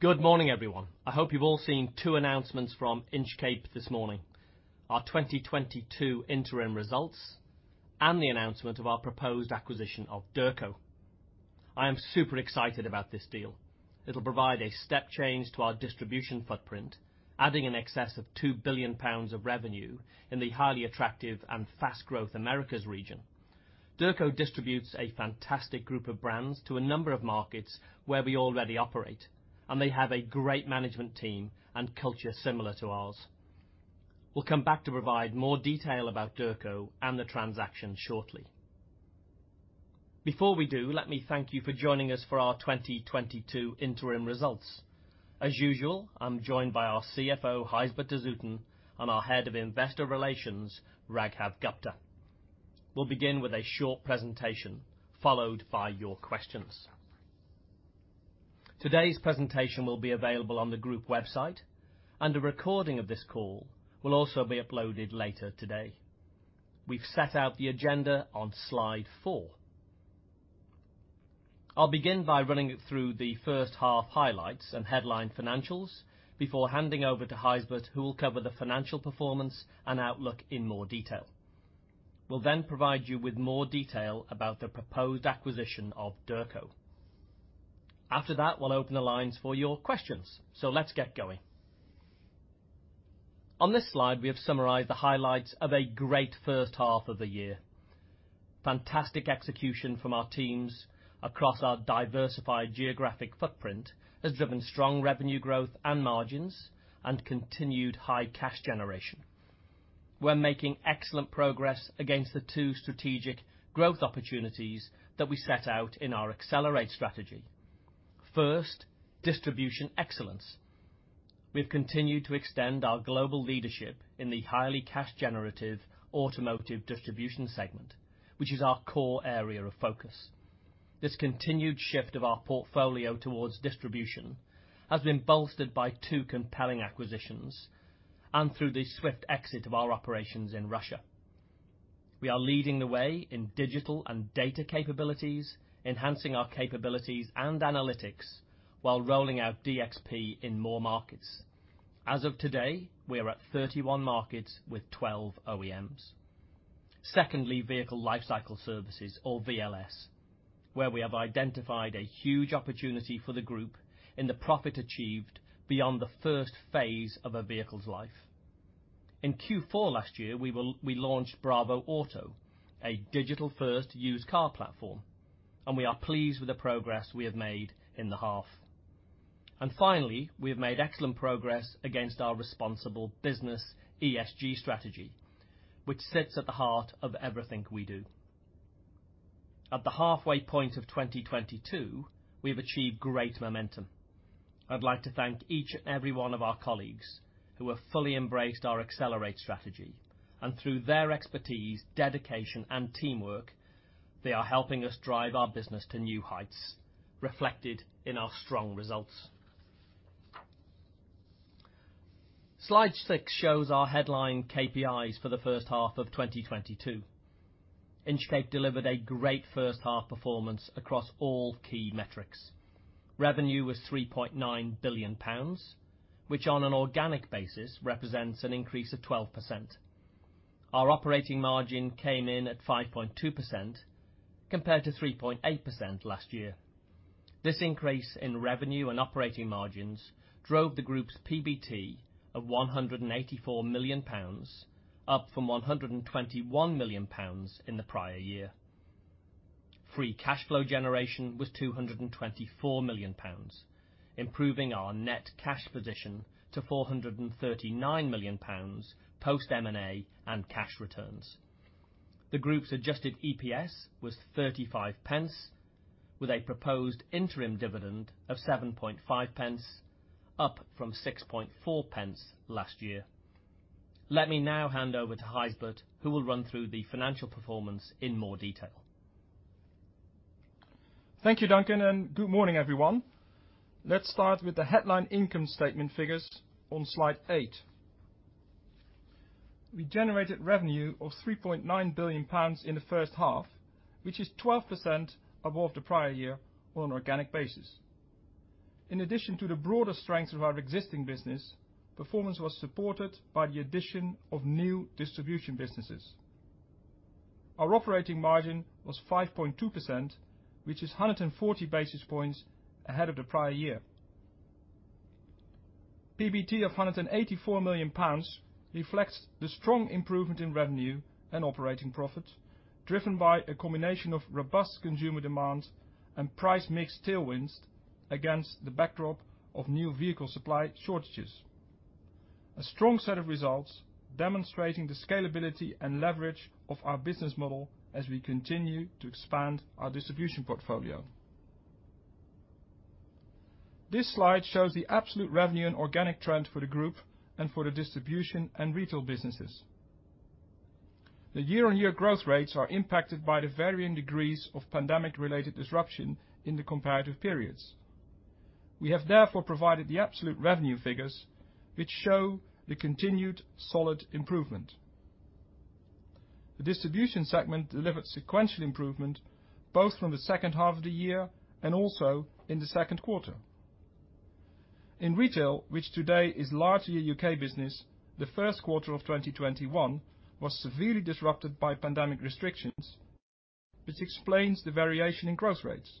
Good morning, everyone. I hope you've all seen two announcements from Inchcape this morning. Our 2022 interim results and the announcement of our proposed acquisition of Derco. I am super excited about this deal. It'll provide a step change to our distribution footprint, adding in excess of 2 billion pounds of revenue in the highly attractive and fast-growth Americas region. Derco distributes a fantastic group of brands to a number of markets where we already operate, and they have a great management team and culture similar to ours. We'll come back to provide more detail about Derco and the transaction shortly. Before we do, let me thank you for joining us for our 2022 interim results. As usual, I'm joined by our CFO, Gijsbert de Zoeten, and our Head of Investor Relations, Raghav Gupta-Chaudhary. We'll begin with a short presentation, followed by your questions. Today's presentation will be available on the group website, and a recording of this call will also be uploaded later today. We've set out the agenda on slide 4. I'll begin by running it through the first half highlights and headline financials before handing over to Gijsbert, who will cover the financial performance and outlook in more detail. We'll then provide you with more detail about the proposed acquisition of Derco. After that, we'll open the lines for your questions. Let's get going. On this slide, we have summarized the highlights of a great first half of the year. Fantastic execution from our teams across our diversified geographic footprint has driven strong revenue growth and margins and continued high cash generation. We're making excellent progress against the two strategic growth opportunities that we set out in our Accelerate strategy. First, distribution excellence. We've continued to extend our global leadership in the highly cash generative automotive distribution segment, which is our core area of focus. This continued shift of our portfolio towards distribution has been bolstered by two compelling acquisitions and through the swift exit of our operations in Russia. We are leading the way in digital and data capabilities, enhancing our capabilities and analytics while rolling out DXP in more markets. As of today, we are at 31 markets with 12 OEMs. Secondly, Vehicle Lifecycle Services or VLS, where we have identified a huge opportunity for the group in the profit achieved beyond the first phase of a vehicle's life. In Q4 last year, we launched Bravoauto, a digital-first used car platform, and we are pleased with the progress we have made in the half. Finally, we have made excellent progress against our responsible business ESG strategy, which sits at the heart of everything we do. At the halfway point of 2022, we have achieved great momentum. I'd like to thank each and every one of our colleagues who have fully embraced our Accelerate strategy. Through their expertise, dedication, and teamwork, they are helping us drive our business to new heights reflected in our strong results. Slide six shows our headline KPIs for the first half of 2022. Inchcape delivered a great first half performance across all key metrics. Revenue was 3.9 billion pounds, which on an organic basis represents an increase of 12%. Our operating margin came in at 5.2% compared to 3.8% last year. This increase in revenue and operating margins drove the group's PBT of GBP 184 million, up from GBP 121 million in the prior year. Free cash flow generation was GBP 224 million, improving our net cash position to GBP 439 million post M&A and cash returns. The group's adjusted EPS was 0.35 with a proposed interim dividend of 0.075, up from 0.064 last year. Let me now hand over to Gijsbert, who will run through the financial performance in more detail. Thank you, Duncan, and good morning, everyone. Let's start with the headline income statement figures on slide 8. We generated revenue of 3.9 billion pounds in the first half, which is 12% above the prior year on an organic basis. In addition to the broader strength of our existing business, performance was supported by the addition of new distribution businesses. Our operating margin was 5.2%, which is 140 basis points ahead of the prior year. PBT of 184 million pounds reflects the strong improvement in revenue and operating profit driven by a combination of robust consumer demand and price mix tailwinds against the backdrop of new vehicle supply shortages. A strong set of results demonstrating the scalability and leverage of our business model as we continue to expand our distribution portfolio. This slide shows the absolute revenue and organic trend for the group and for the distribution and retail businesses. The year-on-year growth rates are impacted by the varying degrees of pandemic related disruption in the comparative periods. We have therefore provided the absolute revenue figures which show the continued solid improvement. The distribution segment delivered sequential improvement both from the second half of the year and also in the second quarter. In retail, which today is largely a U.K. business, the first quarter of 2021 was severely disrupted by pandemic restrictions, which explains the variation in growth rates.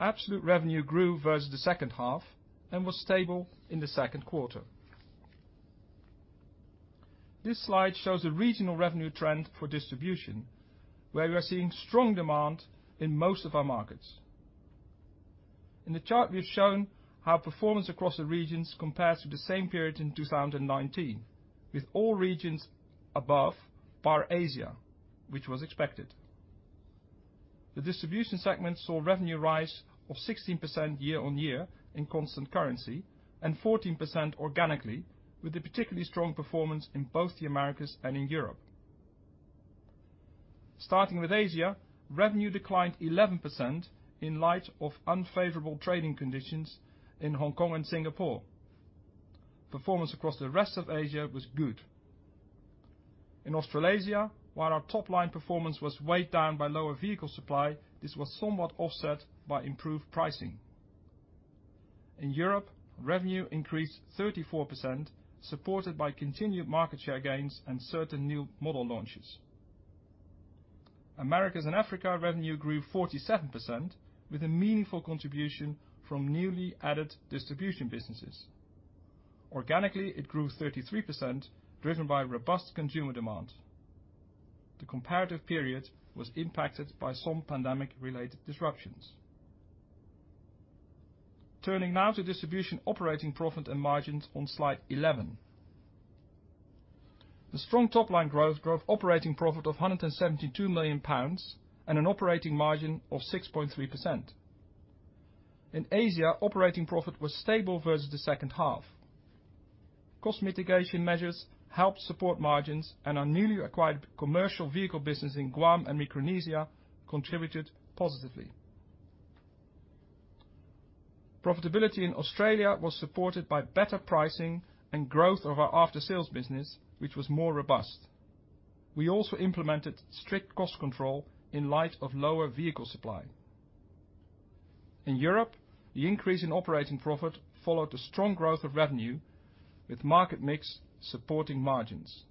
Absolute revenue grew versus the second half and was stable in the second quarter. This slide shows the regional revenue trend for distribution, where we are seeing strong demand in most of our markets. In the chart, we've shown how performance across the regions compares to the same period in 2019, with all regions above par, Asia, which was expected. The distribution segment saw revenue rise of 16% year-on-year in constant currency and 14% organically, with a particularly strong performance in both the Americas and in Europe. Starting with Asia, revenue declined 11% in light of unfavorable trading conditions in Hong Kong and Singapore. Performance across the rest of Asia was good. In Australasia, while our top line performance was weighed down by lower vehicle supply, this was somewhat offset by improved pricing. In Europe, revenue increased 34%, supported by continued market share gains and certain new model launches. Americas and Africa revenue grew 47% with a meaningful contribution from newly added distribution businesses. Organically, it grew 33%, driven by robust consumer demand. The comparative period was impacted by some pandemic related disruptions. Turning now to distribution operating profit and margins on slide 11. The strong top line growth drove operating profit of 172 million pounds and an operating margin of 6.3%. In Asia, operating profit was stable versus the second half. Cost mitigation measures helped support margins and our newly acquired commercial vehicle business in Guam and Micronesia contributed positively. Profitability in Australia was supported by better pricing and growth of our after-sales business, which was more robust. We also implemented strict cost control in light of lower vehicle supply. In Europe, the increase in operating profit followed a strong growth of revenue with market mix supporting margins.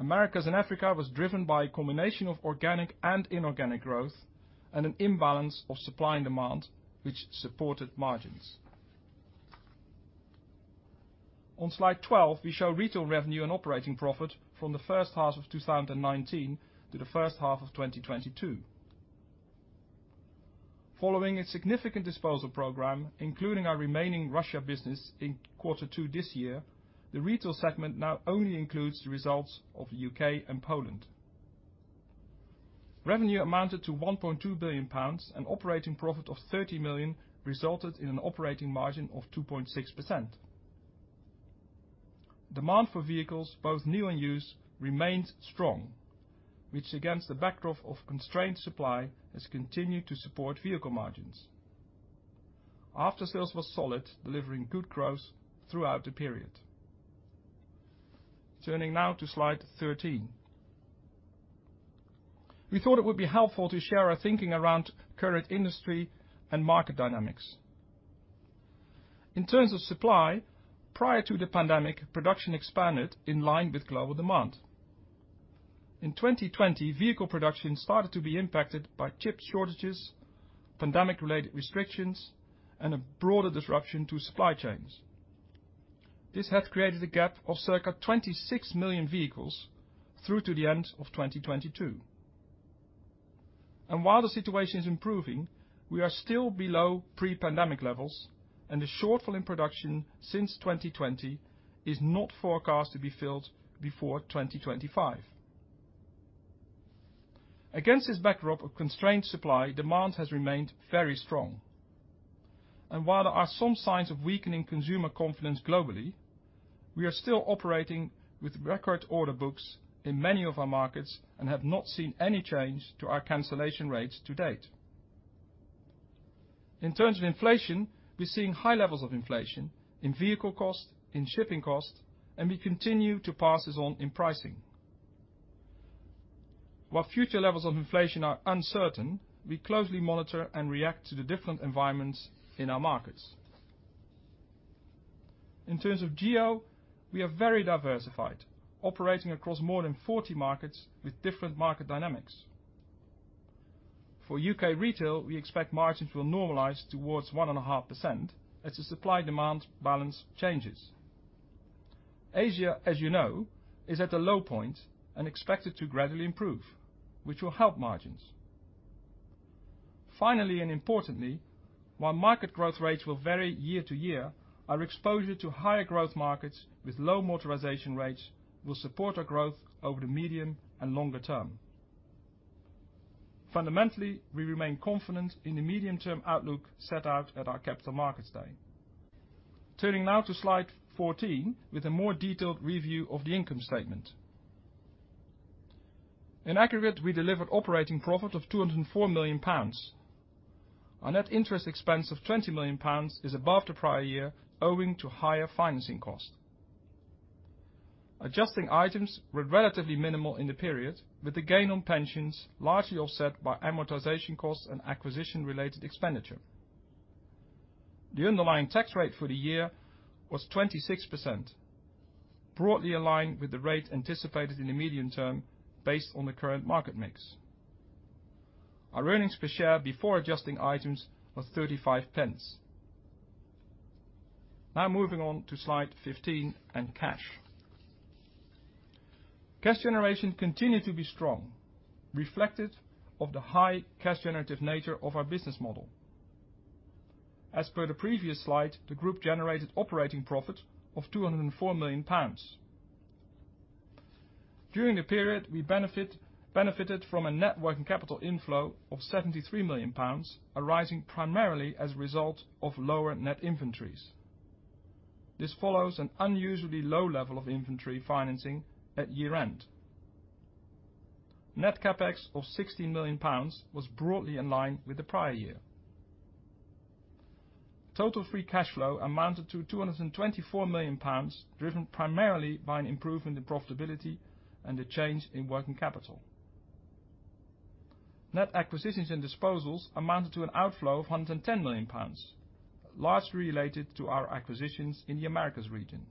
Americas and Africa was driven by a combination of organic and inorganic growth and an imbalance of supply and demand which supported margins. On slide 12, we show retail revenue and operating profit from the first half of 2019 to the first half of 2022. Following a significant disposal program, including our remaining Russia business in quarter two this year, the retail segment now only includes the results of U.K. and Poland. Revenue amounted to 1.2 billion pounds and operating profit of 30 million resulted in an operating margin of 2.6%. Demand for vehicles, both new and used, remained strong, which against the backdrop of constrained supply, has continued to support vehicle margins. Aftersales was solid, delivering good growth throughout the period. Turning now to slide 13. We thought it would be helpful to share our thinking around current industry and market dynamics. In terms of supply, prior to the pandemic, production expanded in line with global demand. In 2020, vehicle production started to be impacted by chip shortages, pandemic related restrictions, and a broader disruption to supply chains. This has created a gap of circa 26 million vehicles through to the end of 2022. While the situation is improving, we are still below pre-pandemic levels, and the shortfall in production since 2020 is not forecast to be filled before 2025. Against this backdrop of constrained supply, demand has remained very strong. While there are some signs of weakening consumer confidence globally, we are still operating with record order books in many of our markets and have not seen any change to our cancellation rates to date. In terms of inflation, we're seeing high levels of inflation in vehicle cost, in shipping cost, and we continue to pass this on in pricing. While future levels of inflation are uncertain, we closely monitor and react to the different environments in our markets. In terms of geo, we are very diversified, operating across more than 40 markets with different market dynamics. For U.K. retail, we expect margins will normalize towards 1.5% as the supply demand balance changes. Asia, as you know, is at a low point and expected to gradually improve, which will help margins. Finally, and importantly, while market growth rates will vary year to year, our exposure to higher growth markets with low motorization rates will support our growth over the medium and longer term. Fundamentally, we remain confident in the medium-term outlook set out at our Capital Markets Day. Turning now to slide 14 with a more detailed review of the income statement. In aggregate, we delivered operating profit of 204 million pounds. Our net interest expense of 20 million pounds is above the prior year owing to higher financing costs. Adjusting items were relatively minimal in the period, with the gain on pensions largely offset by amortization costs and acquisition-related expenditure. The underlying tax rate for the year was 26%, broadly aligned with the rate anticipated in the medium term based on the current market mix. Our earnings per share before adjusting items was 0.35. Now moving on to slide 15 and cash. Cash generation continued to be strong, reflective of the high cash generative nature of our business model. As per the previous slide, the group generated operating profit of 204 million pounds. During the period, we benefited from a net working capital inflow of 73 million pounds, arising primarily as a result of lower net inventories. This follows an unusually low level of inventory financing at year-end. Net CapEx of 16 million pounds was broadly in line with the prior year. Total free cash flow amounted to 224 million pounds, driven primarily by an improvement in profitability and a change in working capital. Net acquisitions and disposals amounted to an outflow of 110 million pounds, largely related to our acquisitions in the Americas region.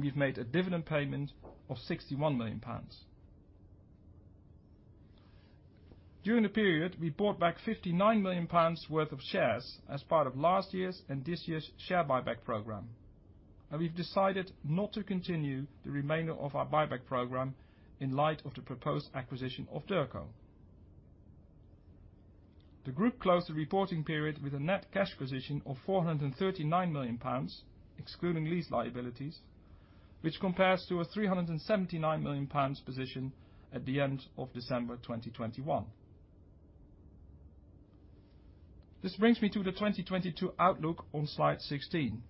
We've made a dividend payment of 61 million pounds. During the period, we bought back 59 million pounds worth of shares as part of last year's and this year's share buyback program, and we've decided not to continue the remainder of our buyback program in light of the proposed acquisition of Derco. The group closed the reporting period with a net cash position of 439 million pounds, excluding lease liabilities, which compares to a 379 million pounds position at the end of December 2021. This brings me to the 2022 outlook on slide 16.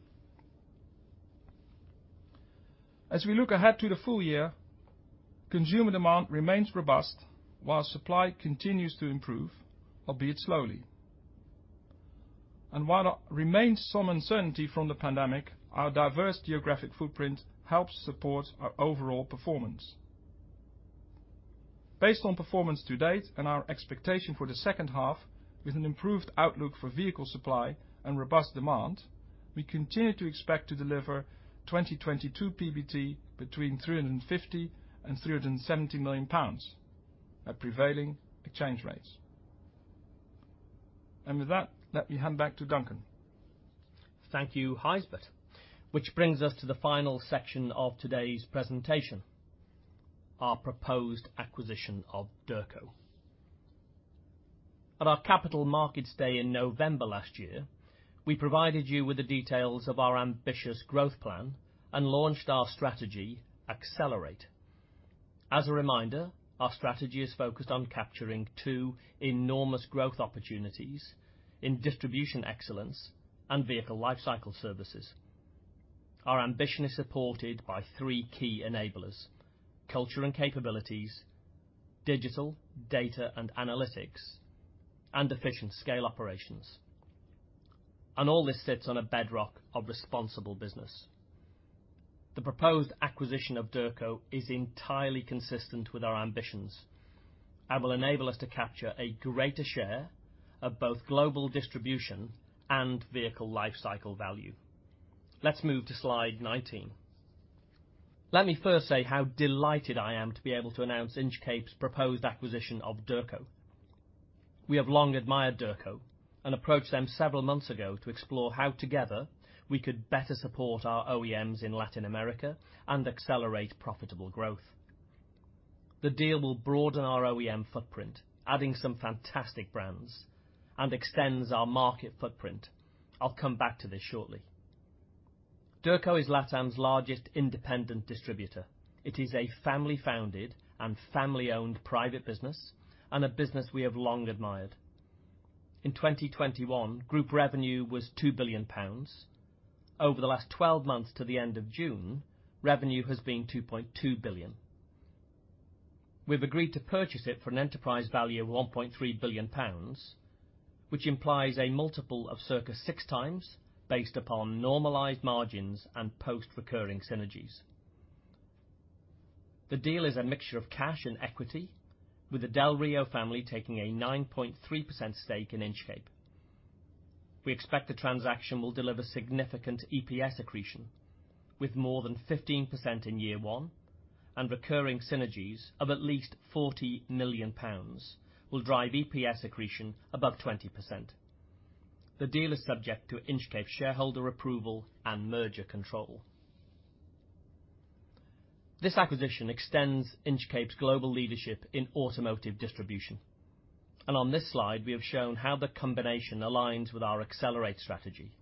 As we look ahead to the full year, consumer demand remains robust while supply continues to improve, albeit slowly. While there remains some uncertainty from the pandemic, our diverse geographic footprint helps support our overall performance. Based on performance to date and our expectation for the second half with an improved outlook for vehicle supply and robust demand, we continue to expect to deliver 2022 PBT between 350 million and 370 million pounds at prevailing exchange rates. With that, let me hand back to Duncan. Thank you, Gijsbert. Which brings us to the final section of today's presentation, our proposed acquisition of Derco. At our Capital Markets Day in November last year, we provided you with the details of our ambitious growth plan and launched our strategy, Accelerate. As a reminder, our strategy is focused on capturing two enormous growth opportunities in distribution excellence and vehicle lifecycle services. Our ambition is supported by three key enablers: culture and capabilities, digital data and analytics, and efficient scale operations. All this sits on a bedrock of responsible business. The proposed acquisition of Derco is entirely consistent with our ambitions and will enable us to capture a greater share of both global distribution and vehicle lifecycle value. Let's move to slide 19. Let me first say how delighted I am to be able to announce Inchcape's proposed acquisition of Derco. We have long admired Derco and approached them several months ago to explore how together we could better support our OEMs in Latin America and accelerate profitable growth. The deal will broaden our OEM footprint, adding some fantastic brands, and extends our market footprint. I'll come back to this shortly. Derco is LatAm's largest independent distributor. It is a family-founded and family-owned private business, and a business we have long admired. In 2021, group revenue was 2 billion pounds. Over the last 12 months to the end of June, revenue has been 2.2 billion. We've agreed to purchase it for an enterprise value of 1.3 billion pounds, which implies a multiple of circa 6x based upon normalized margins and post-recurring synergies. The deal is a mixture of cash and equity, with the Del Río family taking a 9.3% stake in Inchcape. We expect the transaction will deliver significant EPS accretion with more than 15% in year one, and recurring synergies of at least 40 million pounds will drive EPS accretion above 20%. The deal is subject to Inchcape shareholder approval and merger control. This acquisition extends Inchcape's global leadership in automotive distribution. On this slide, we have shown how the combination aligns with our Accelerate strategy.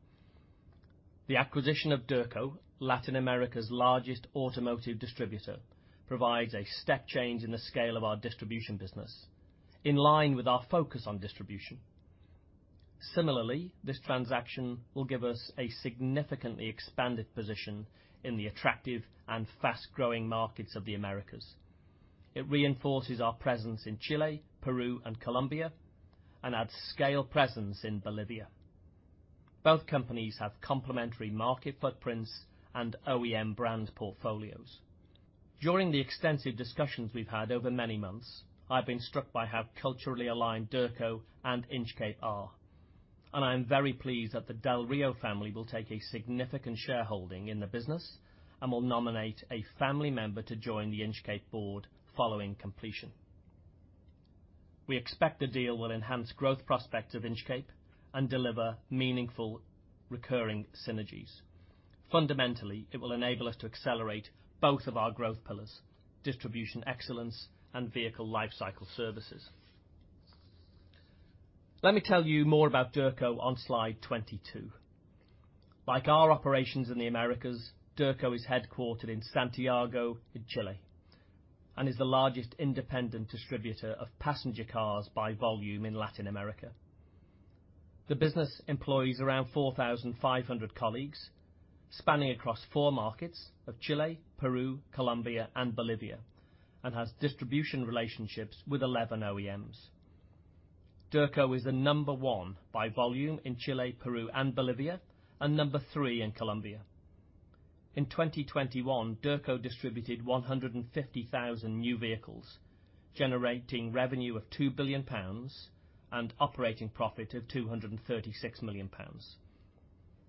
The acquisition of Derco, Latin America's largest automotive distributor, provides a step change in the scale of our distribution business, in line with our focus on distribution. Similarly, this transaction will give us a significantly expanded position in the attractive and fast-growing markets of the Americas. It reinforces our presence in Chile, Peru, and Colombia, and adds scale presence in Bolivia. Both companies have complementary market footprints and OEM brand portfolios. During the extensive discussions we've had over many months, I've been struck by how culturally aligned Derco and Inchcape are, and I'm very pleased that the Del Río family will take a significant shareholding in the business and will nominate a family member to join the Inchcape board following completion. We expect the deal will enhance growth prospects of Inchcape and deliver meaningful recurring synergies. Fundamentally, it will enable us to accelerate both of our growth pillars, distribution excellence and vehicle lifecycle services. Let me tell you more about Derco on slide 22. Like our operations in the Americas, Derco is headquartered in Santiago, Chile, and is the largest independent distributor of passenger cars by volume in Latin America. The business employs around 4,500 colleagues, spanning across four markets of Chile, Peru, Colombia, and Bolivia, and has distribution relationships with 11 OEMs. Derco is the number one by volume in Chile, Peru, and Bolivia, and number three in Colombia. In 2021, Derco distributed 150,000 new vehicles, generating revenue of 2 billion pounds and operating profit of 236 million pounds.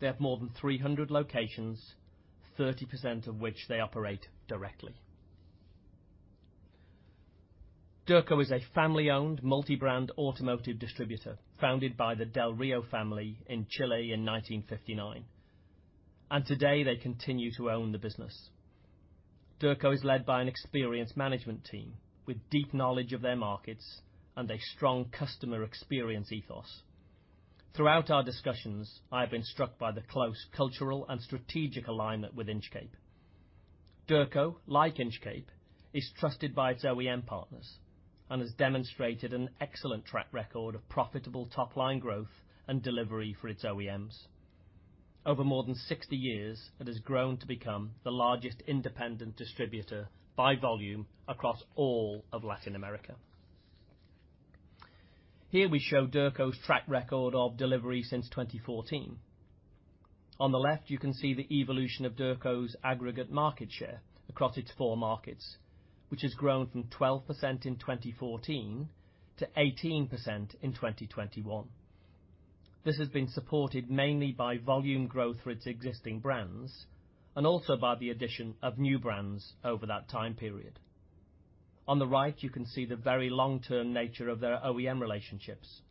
They have more than 300 locations, 30% of which they operate directly. Derco is a family-owned multi-brand automotive distributor, founded by the Del Río family in Chile in 1959. Today, they continue to own the business. Derco is led by an experienced management team with deep knowledge of their markets and a strong customer experience ethos. Throughout our discussions, I have been struck by the close cultural and strategic alignment with Inchcape. Derco, like Inchcape, is trusted by its OEM partners and has demonstrated an excellent track record of profitable top-line growth and delivery for its OEMs. Over more than 60 years, it has grown to become the largest independent distributor by volume across all of Latin America. Here we show Derco's track record of delivery since 2014. On the left, you can see the evolution of Derco's aggregate market share across its four markets, which has grown from 12% in 2014 to 18% in 2021. This has been supported mainly by volume growth for its existing brands and also by the addition of new brands over that time period. On the right, you can see the very long-term nature of their OEM relationships,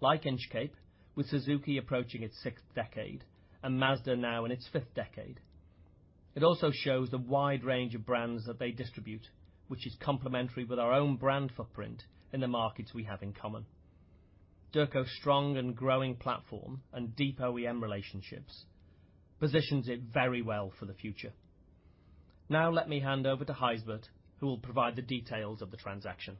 like Inchcape, with Suzuki approaching its sixth decade and Mazda now in its fifth decade. It also shows the wide range of brands that they distribute, which is complementary with our own brand footprint in the markets we have in common. Derco's strong and growing platform and deep OEM relationships positions it very well for the future. Now let me hand over to Gijsbert, who will provide the details of the transaction.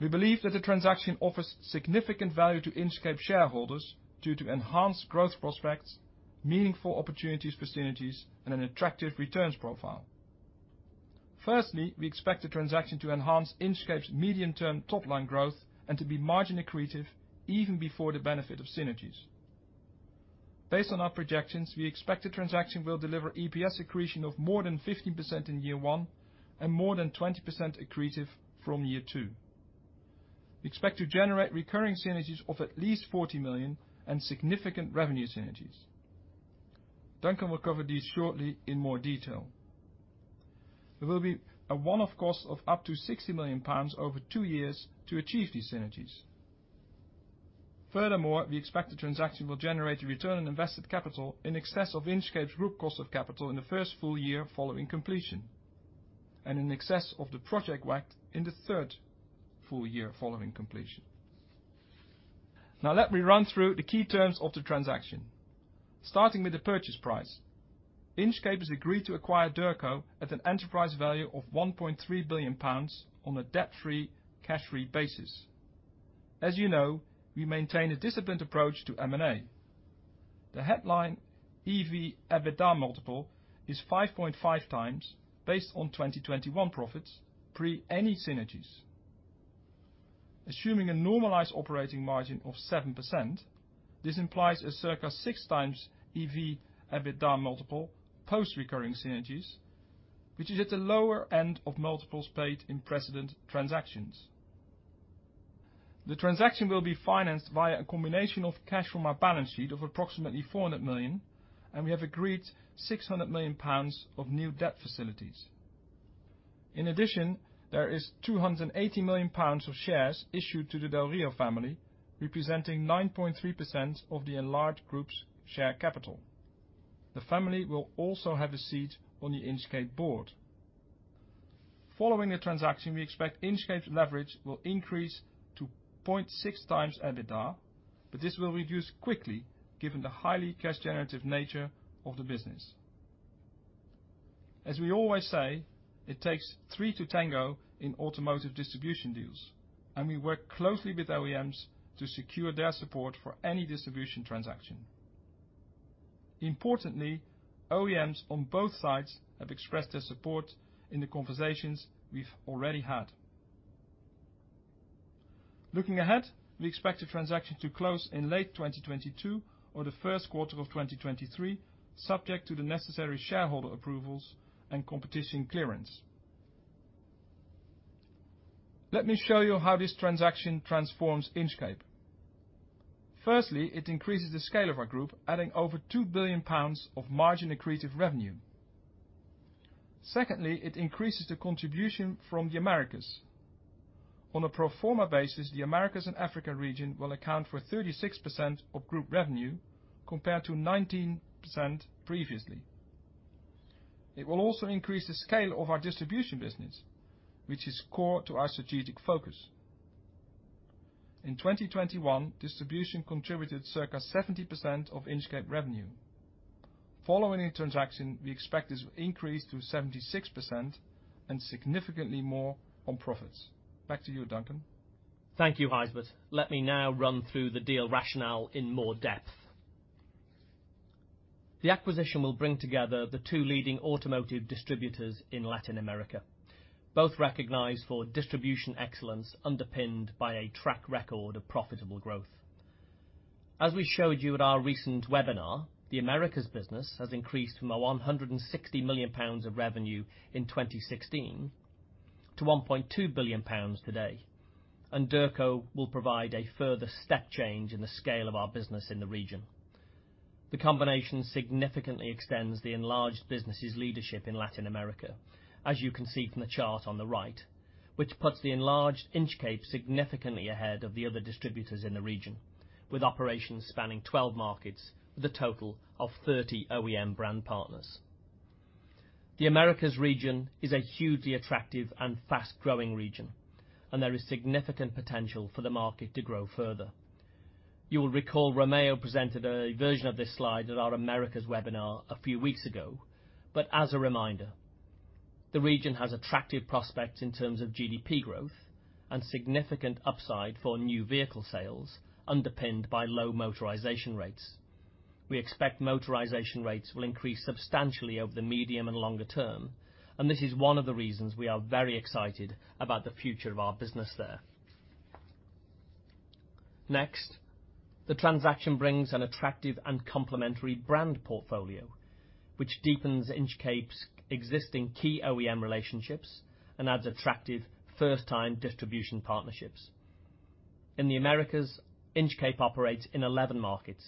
We believe that the transaction offers significant value to Inchcape shareholders due to enhanced growth prospects, meaningful opportunities for synergies, and an attractive returns profile. Firstly, we expect the transaction to enhance Inchcape's medium-term top-line growth and to be margin accretive even before the benefit of synergies. Based on our projections, we expect the transaction will deliver EPS accretion of more than 15% in year one and more than 20% accretive from year two. We expect to generate recurring synergies of at least 40 million and significant revenue synergies. Duncan will cover these shortly in more detail. There will be a one-off cost of up to 60 million pounds over two years to achieve these synergies. Furthermore, we expect the transaction will generate a return on invested capital in excess of Inchcape's group cost of capital in the first full year following completion, and in excess of the project WACC in the third full year following completion. Now let me run through the key terms of the transaction. Starting with the purchase price. Inchcape has agreed to acquire Derco at an enterprise value of 1.3 billion pounds on a debt-free, cash-free basis. As you know, we maintain a disciplined approach to M&A. The headline EV/EBITDA multiple is 5.5x based on 2021 profits, pre any synergies. Assuming a normalized operating margin of 7%, this implies a circa 6x EV/EBITDA multiple post recurring synergies, which is at the lower end of multiples paid in precedent transactions. The transaction will be financed via a combination of cash from our balance sheet of approximately 400 million, and we have agreed 600 million pounds of new debt facilities. In addition, there is 280 million pounds of shares issued to the Del Río family, representing 9.3% of the enlarged group's share capital. The family will also have a seat on the Inchcape board. Following the transaction, we expect Inchcape's leverage will increase to 0.6x EBITDA, but this will reduce quickly given the highly cash generative nature of the business. As we always say, it takes three to tango in automotive distribution deals, and we work closely with OEMs to secure their support for any distribution transaction. Importantly, OEMs on both sides have expressed their support in the conversations we've already had. Looking ahead, we expect the transaction to close in late 2022 or the first quarter of 2023, subject to the necessary shareholder approvals and competition clearance. Let me show you how this transaction transforms Inchcape. Firstly, it increases the scale of our group, adding over 2 billion pounds of margin-accretive revenue. Secondly, it increases the contribution from the Americas. On a pro forma basis, the Americas and Africa region will account for 36% of group revenue, compared to 19% previously. It will also increase the scale of our distribution business, which is core to our strategic focus. In 2021, distribution contributed circa 70% of Inchcape revenue. Following the transaction, we expect this will increase to 76% and significantly more on profits. Back to you, Duncan. Thank you, Gijsbert. Let me now run through the deal rationale in more depth. The acquisition will bring together the two leading automotive distributors in Latin America, both recognized for distribution excellence underpinned by a track record of profitable growth. As we showed you at our recent webinar, the Americas business has increased from 160 million pounds of revenue in 2016 to 1.2 billion pounds today, and Derco will provide a further step change in the scale of our business in the region. The combination significantly extends the enlarged business' leadership in Latin America, as you can see from the chart on the right, which puts the enlarged Inchcape significantly ahead of the other distributors in the region, with operations spanning 12 markets with a total of 30 OEM brand partners. The Americas region is a hugely attractive and fast-growing region, and there is significant potential for the market to grow further. You will recall Romeo presented a version of this slide at our Americas webinar a few weeks ago, but as a reminder, the region has attractive prospects in terms of GDP growth and significant upside for new vehicle sales underpinned by low motorization rates. We expect motorization rates will increase substantially over the medium and longer term, and this is one of the reasons we are very excited about the future of our business there. Next, the transaction brings an attractive and complementary brand portfolio, which deepens Inchcape's existing key OEM relationships and adds attractive first-time distribution partnerships. In the Americas, Inchcape operates in 11 markets.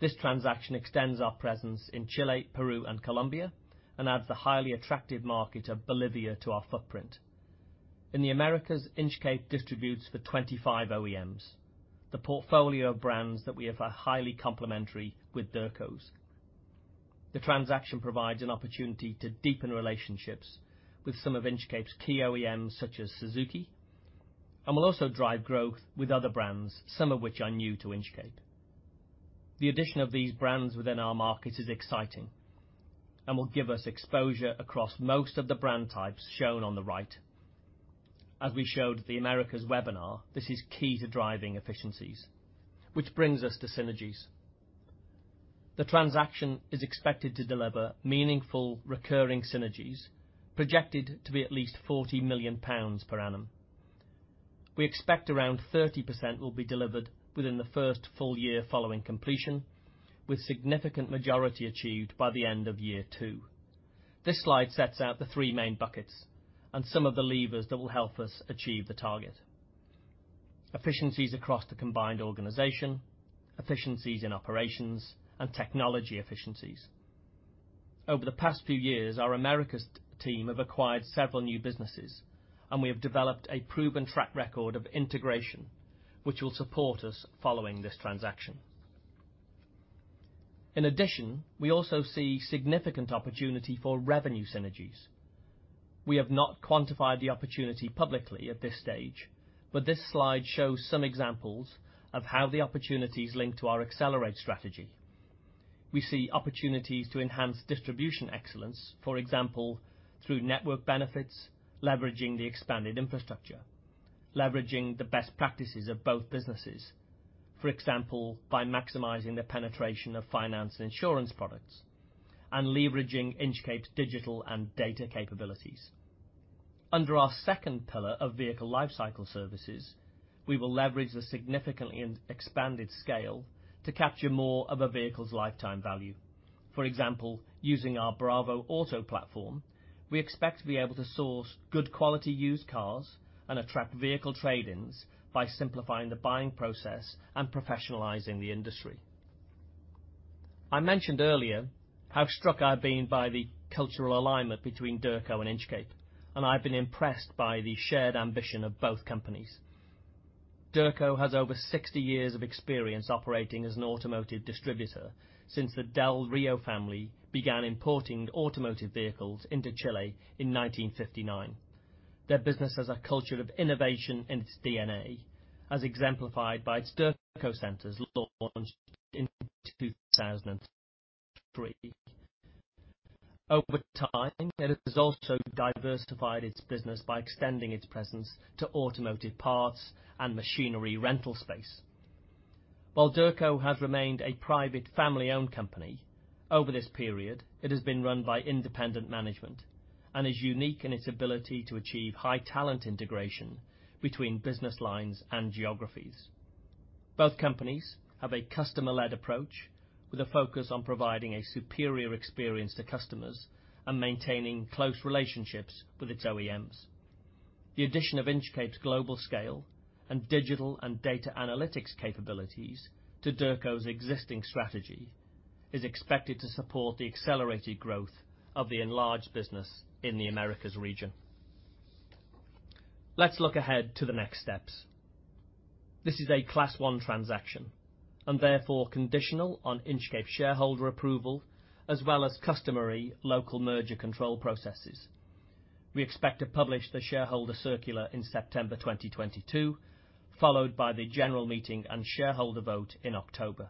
This transaction extends our presence in Chile, Peru, and Colombia and adds the highly attractive market of Bolivia to our footprint. In the Americas, Inchcape distributes for 25 OEMs, the portfolio of brands that we have are highly complementary with Derco's. The transaction provides an opportunity to deepen relationships with some of Inchcape's key OEMs, such as Suzuki, and will also drive growth with other brands, some of which are new to Inchcape. The addition of these brands within our markets is exciting and will give us exposure across most of the brand types shown on the right. As we showed at the Americas webinar, this is key to driving efficiencies. Which brings us to synergies. The transaction is expected to deliver meaningful recurring synergies projected to be at least 40 million pounds per annum. We expect around 30% will be delivered within the first full year following completion, with significant majority achieved by the end of year two. This slide sets out the three main buckets and some of the levers that will help us achieve the target. Efficiencies across the combined organization, efficiencies in operations, and technology efficiencies. Over the past few years, our Americas team have acquired several new businesses, and we have developed a proven track record of integration which will support us following this transaction. In addition, we also see significant opportunity for revenue synergies. We have not quantified the opportunity publicly at this stage, but this slide shows some examples of how the opportunities link to our Accelerate strategy. We see opportunities to enhance distribution excellence, for example, through network benefits, leveraging the expanded infrastructure, leveraging the best practices of both businesses, for example, by maximizing the penetration of finance and insurance products, and leveraging Inchcape's digital and data capabilities. Under our second pillar of vehicle lifecycle services, we will leverage the significantly expanded scale to capture more of a vehicle's lifetime value. For example, using our Bravoauto platform, we expect to be able to source good quality used cars and attract vehicle trade-ins by simplifying the buying process and professionalizing the industry. I mentioned earlier how struck I've been by the cultural alignment between Derco and Inchcape, and I've been impressed by the shared ambition of both companies. Derco has over 60 years of experience operating as an automotive distributor since the Del Río family began importing automotive vehicles into Chile in 1959. Their business has a culture of innovation in its DNA, as exemplified by its Dercocenter launched in 2003. Over time, it has also diversified its business by extending its presence to automotive parts and machinery rental space. While Derco has remained a private family-owned company, over this period, it has been run by independent management and is unique in its ability to achieve high talent integration between business lines and geographies. Both companies have a customer-led approach with a focus on providing a superior experience to customers and maintaining close relationships with its OEMs. The addition of Inchcape's global scale and digital and data analytics capabilities to Derco's existing strategy is expected to support the accelerated growth of the enlarged business in the Americas region. Let's look ahead to the next steps. This is a Class one transaction and therefore conditional on Inchcape shareholder approval as well as customary local merger control processes. We expect to publish the shareholder circular in September 2022, followed by the general meeting and shareholder vote in October.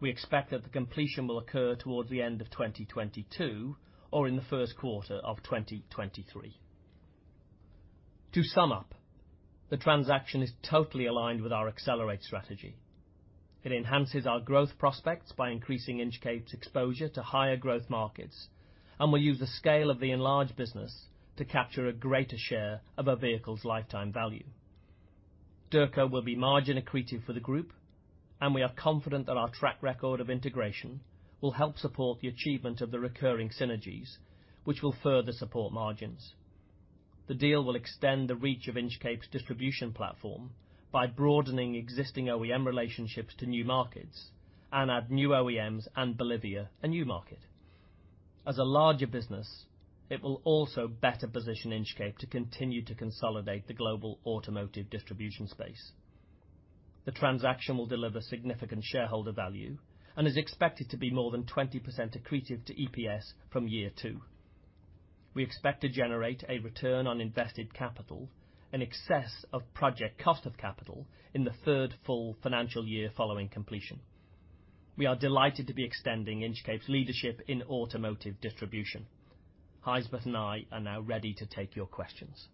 We expect that the completion will occur towards the end of 2022 or in the first quarter of 2023. To sum up, the transaction is totally aligned with our Accelerate strategy. It enhances our growth prospects by increasing Inchcape's exposure to higher growth markets, and we'll use the scale of the enlarged business to capture a greater share of a vehicle's lifetime value. Derco will be margin accretive for the group, and we are confident that our track record of integration will help support the achievement of the recurring synergies, which will further support margins. The deal will extend the reach of Inchcape's distribution platform by broadening existing OEM relationships to new markets and add new OEMs and Bolivia a new market. As a larger business, it will also better position Inchcape to continue to consolidate the global automotive distribution space. The transaction will deliver significant shareholder value and is expected to be more than 20% accretive to EPS from year 2. We expect to generate a return on invested capital in excess of project cost of capital in the third full financial year following completion. We are delighted to be extending Inchcape's leadership in automotive distribution. Gijsbert and I are now ready to take your questions.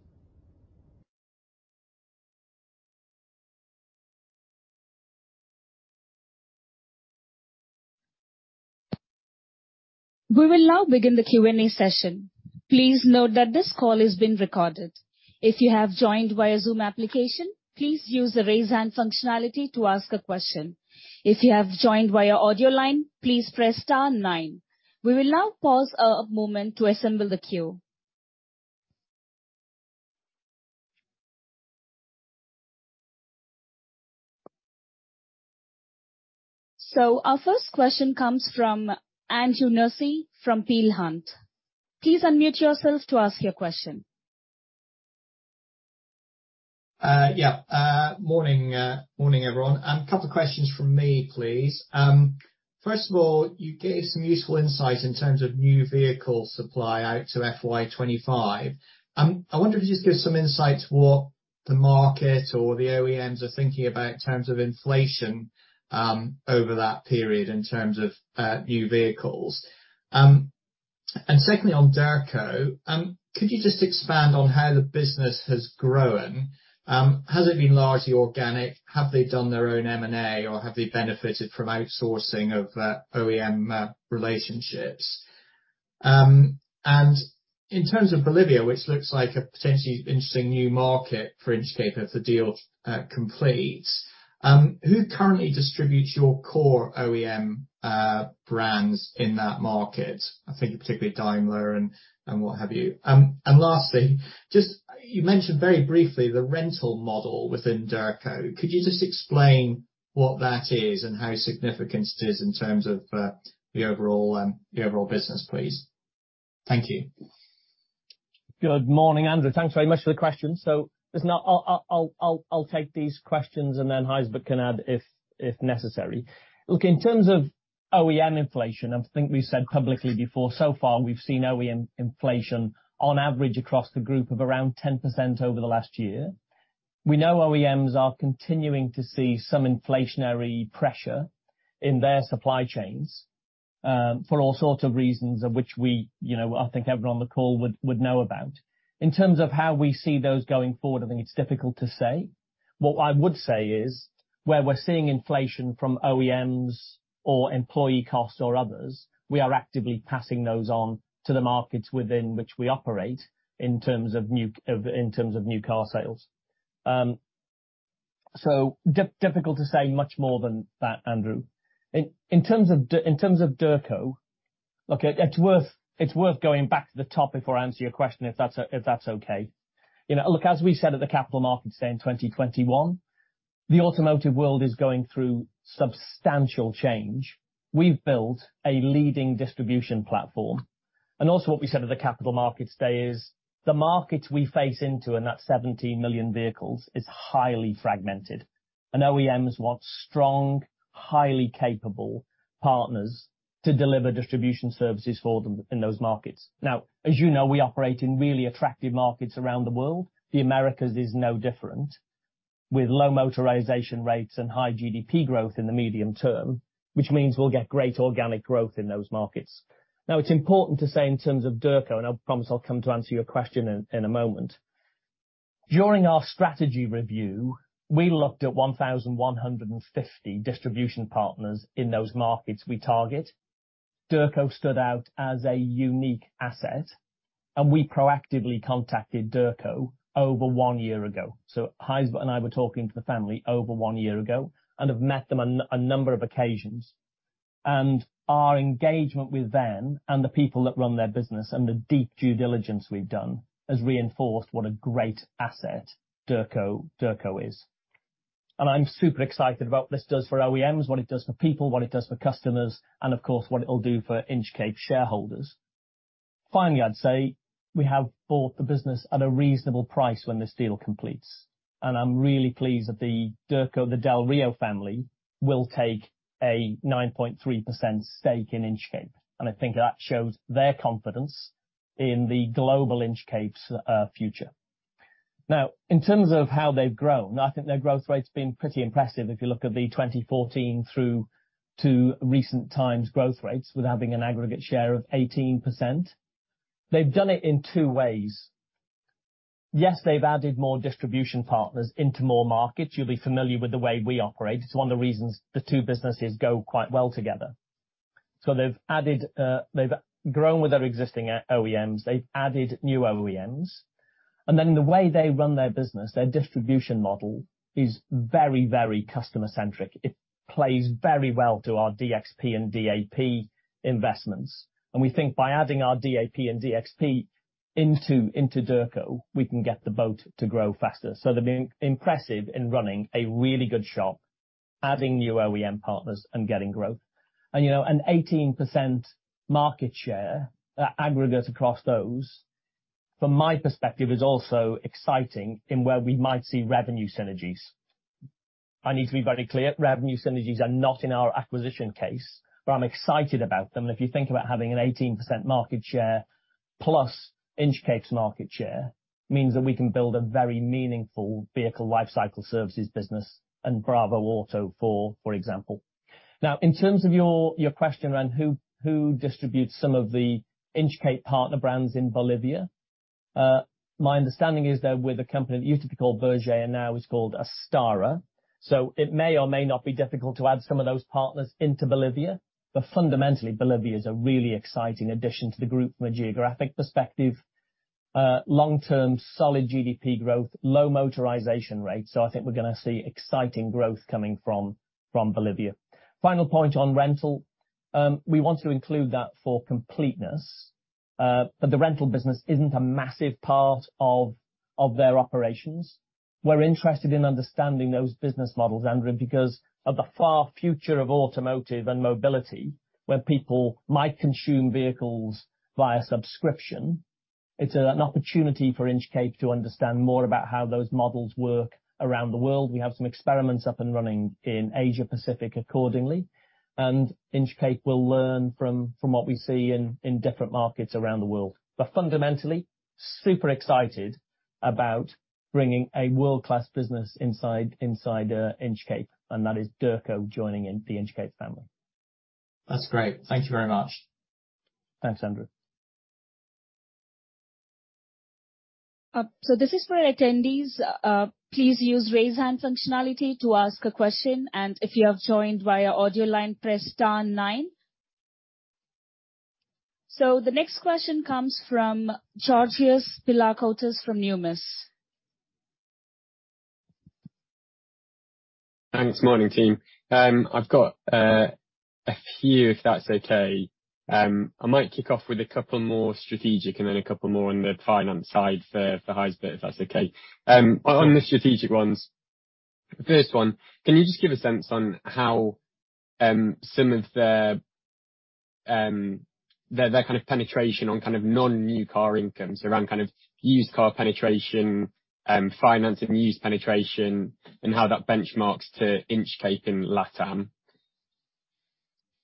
We will now begin the Q&A session. Please note that this call is being recorded. If you have joined via Zoom application, please use the raise hand functionality to ask a question. If you have joined via audio line, please press star nine. We will now pause a moment to assemble the queue. Our first question comes from Andrew Nussey from Peel Hunt. Please unmute yourself to ask your question. Yeah. Morning, everyone. A couple of questions from me, please. First of all, you gave some useful insights in terms of new vehicle supply out to FY 25. I wonder if you just give some insights what the market or the OEMs are thinking about in terms of inflation, over that period in terms of new vehicles. Secondly, on Derco, could you just expand on how the business has grown? Has it been largely organic? Have they done their own M&A, or have they benefited from outsourcing of OEM relationships? In terms of Bolivia, which looks like a potentially interesting new market for Inchcape if the deal completes, who currently distributes your core OEM brands in that market? I'm thinking particularly Daimler and what have you. Lastly, just you mentioned very briefly the rental model within Derco. Could you just explain what that is and how significant it is in terms of the overall business, please? Thank you. Good morning, Andrew. Thanks very much for the question. Listen, I'll take these questions and then Gijsbert can add if necessary. Look, in terms of OEM inflation, I think we've said publicly before, so far we've seen OEM inflation on average across the group of around 10% over the last year. We know OEMs are continuing to see some inflationary pressure in their supply chains for all sorts of reasons of which we, you know, I think everyone on the call would know about. In terms of how we see those going forward, I think it's difficult to say. What I would say is, where we're seeing inflation from OEMs or employee costs or others, we are actively passing those on to the markets within which we operate in terms of new car sales. It's difficult to say much more than that, Andrew. In terms of Derco, look, it's worth going back to the top before I answer your question if that's okay. You know, look, as we said at the Capital Markets Day in 2021, the automotive world is going through substantial change. We've built a leading distribution platform, and also what we said at the Capital Markets Day is the markets we face into, and that's 70 million vehicles, is highly fragmented. OEMs want strong, highly capable partners to deliver distribution services for them in those markets. Now, as you know, we operate in really attractive markets around the world. The Americas is no different. With low motorization rates and high GDP growth in the medium term, which means we'll get great organic growth in those markets. Now, it's important to say in terms of Derco, and I promise I'll come to answer your question in a moment. During our strategy review, we looked at 1,150 distribution partners in those markets we target. Derco stood out as a unique asset, and we proactively contacted Derco over one year ago. Gijs and I were talking to the family over one year ago and have met them on a number of occasions. Our engagement with them and the people that run their business and the deep due diligence we've done has reinforced what a great asset Derco is. I'm super excited about what this does for OEMs, what it does for people, what it does for customers, and of course, what it will do for Inchcape shareholders. Finally, I'd say we have bought the business at a reasonable price when this deal completes, and I'm really pleased that the Derco, the Del Río family, will take a 9.3% stake in Inchcape, and I think that shows their confidence in the global Inchcape's future. Now, in terms of how they've grown, I think their growth rate's been pretty impressive if you look at the 2014 through to recent times growth rates with having an aggregate share of 18%. They've done it in two ways. Yes, they've added more distribution partners into more markets. You'll be familiar with the way we operate. It's one of the reasons the two businesses go quite well together. They've added, they've grown with their existing OEMs, they've added new OEMs, and then the way they run their business, their distribution model is very, very customer-centric. It plays very well to our DXP and DAP investments. We think by adding our DAP and DXP into Derco, we can get both to grow faster. They've been impressive in running a really good shop, adding new OEM partners and getting growth. You know, an 18% market share aggregate across those, from my perspective, is also exciting in where we might see revenue synergies. I need to be very clear, revenue synergies are not in our acquisition case, but I'm excited about them. If you think about having an 18% market share plus Inchcape's market share, means that we can build a very meaningful vehicle lifecycle services business and Bravoauto for example. Now, in terms of your question around who distributes some of the Inchcape partner brands in Bolivia, my understanding is they're with a company that used to be called Bergé and now is called Astara. It may or may not be difficult to add some of those partners into Bolivia. Fundamentally, Bolivia is a really exciting addition to the group from a geographic perspective. Long-term, solid GDP growth, low motorization rates. I think we're gonna see exciting growth coming from Bolivia. Final point on rental, we want to include that for completeness, but the rental business isn't a massive part of their operations. We're interested in understanding those business models, Andrew, because of the far future of automotive and mobility, where people might consume vehicles via subscription. It's an opportunity for Inchcape to understand more about how those models work around the world. We have some experiments up and running in Asia-Pacific accordingly, and Inchcape will learn from what we see in different markets around the world. But fundamentally, super excited about bringing a world-class business inside Inchcape, and that is Derco joining in the Inchcape family. That's great. Thank you very much. Thanks, Andrew. This is for attendees. Please use raise hand functionality to ask a question, and if you have joined via audio line, press star nine. The next question comes from Georgios Pilakoutas from Numis. Thanks. Morning, team. I've got a few, if that's okay. I might kick off with a couple more strategic and then a couple more on the finance side for Gijsbert, but if that's okay. On the strategic ones, the first one, can you just give a sense on how some of their kind of penetration on kind of non-new car incomes around kind of used car penetration, financing used penetration, and how that benchmarks to Inchcape in LatAm.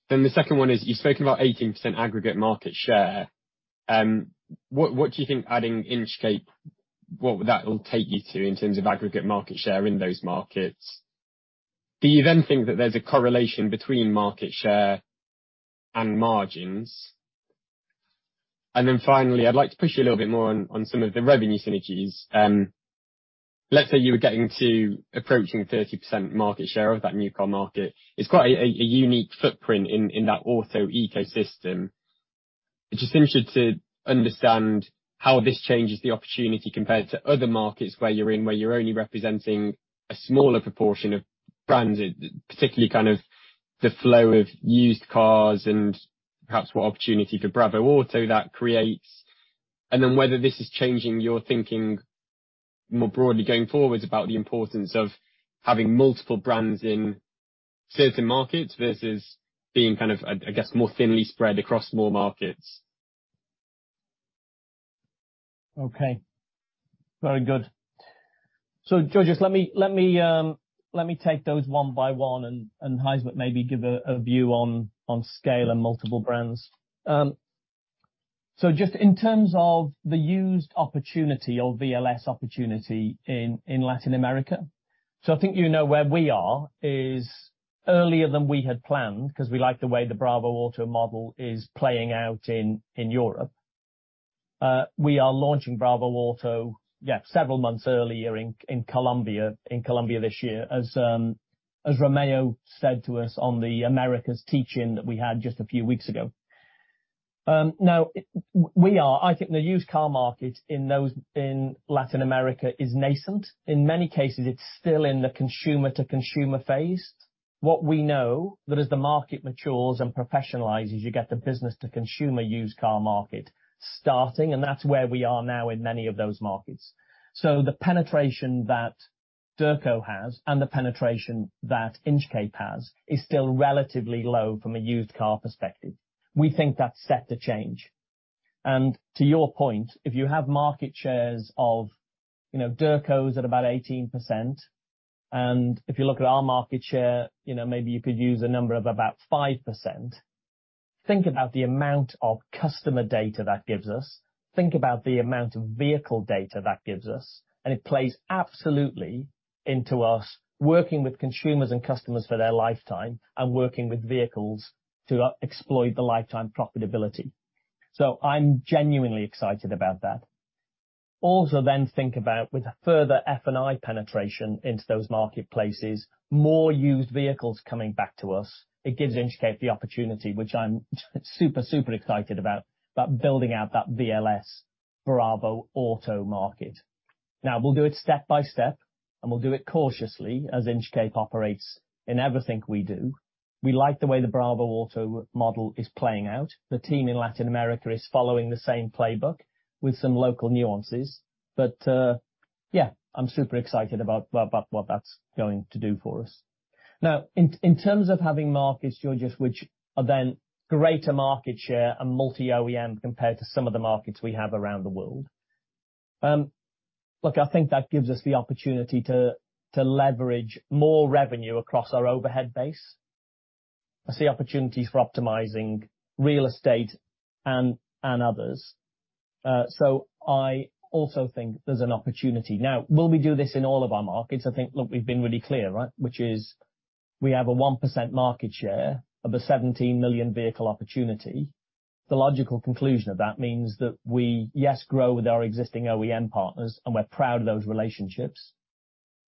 Then the second one is, you've spoken about 18% aggregate market share. What do you think adding Inchcape will take you to in terms of aggregate market share in those markets? Do you then think that there's a correlation between market share and margins? Finally, I'd like to push you a little bit more on some of the revenue synergies. Let's say you were getting to approaching 30% market share of that new car market. It's quite a unique footprint in that auto ecosystem. It's just interested to understand how this changes the opportunity compared to other markets where you're in, where you're only representing a smaller proportion of brands, particularly kind of the flow of used cars and perhaps what opportunity for Bravoauto that creates. Whether this is changing your thinking more broadly going forward about the importance of having multiple brands in certain markets versus being kind of, I guess, more thinly spread across more markets. Okay. Very good. Georges, let me take those one by one and Gijsbert maybe give a view on scale and multiple brands. Just in terms of the used opportunity or VLS opportunity in Latin America. I think you know where we are is earlier than we had planned because we like the way the Bravoauto model is playing out in Europe. We are launching Bravoauto, yeah, several months earlier in Colombia this year, as Romeo said to us on the Americas teach-in that we had just a few weeks ago. I think the used car market in Latin America is nascent. In many cases, it's still in the consumer-to-consumer phase. What we know that as the market matures and professionalizes, you get the business to consumer used car market starting, and that's where we are now in many of those markets. The penetration that Derco has and the penetration that Inchcape has is still relatively low from a used car perspective. We think that's set to change. To your point, if you have market shares of, you know, Derco's at about 18%, and if you look at our market share, you know, maybe you could use a number of about 5%. Think about the amount of customer data that gives us. Think about the amount of vehicle data that gives us, and it plays absolutely into us working with consumers and customers for their lifetime and working with vehicles to exploit the lifetime profitability. I'm genuinely excited about that. Think about with further F&I penetration into those marketplaces, more used vehicles coming back to us. It gives Inchcape the opportunity, which I'm super excited about building out that VLS Bravo Auto Market. We'll do it step by step, and we'll do it cautiously as Inchcape operates in everything we do. We like the way the Bravo Auto model is playing out. The team in Latin America is following the same playbook with some local nuances. Yeah, I'm super excited about what that's going to do for us. In terms of having markets, Georgios, which are then greater market share and multi OEM compared to some of the markets we have around the world. Look, I think that gives us the opportunity to leverage more revenue across our overhead base. I see opportunities for optimizing real estate and others. I also think there's an opportunity. Now, will we do this in all of our markets? I think, look, we've been really clear, right? Which is we have a 1% market share of a 17 million vehicle opportunity. The logical conclusion of that means that we, yes, grow with our existing OEM partners, and we're proud of those relationships.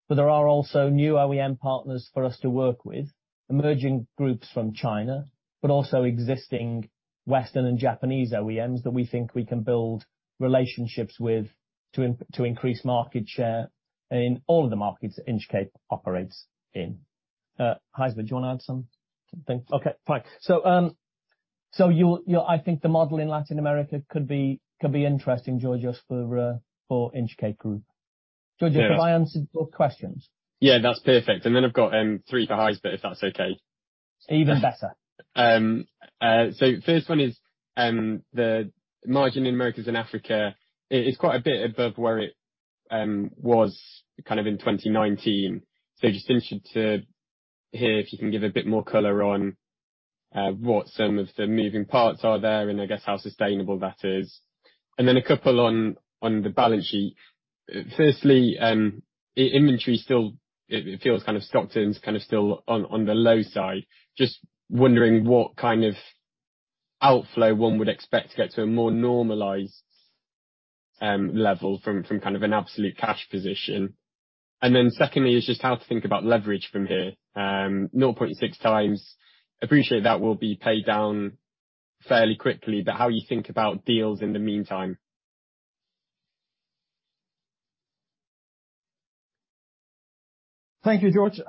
There are also new OEM partners for us to work with, emerging groups from China, but also existing Western and Japanese OEMs that we think we can build relationships with to increase market share in all of the markets that Inchcape operates in. Gijsbert, do you wanna add something? Okay, fine. I think the model in Latin America could be interesting, Georges, for Inchcape group. Yes. Georgios, have I answered your questions? Yeah, that's perfect. I've got three for Gijsbert, if that's okay. Even better. First one is the margin in Americas and Africa it's quite a bit above where it was kind of in 2019. Just interested to hear if you can give a bit more color on what some of the moving parts are there and I guess how sustainable that is. Then a couple on the balance sheet. Firstly, inventory still it feels kind of stock turns kind of still on the low side. Just wondering what kind of outflow one would expect to get to a more normalized level from kind of an absolute cash position. Then secondly is just how to think about leverage from here. 0.6 times. Appreciate that will be paid down fairly quickly, but how you think about deals in the meantime. Thank you, George.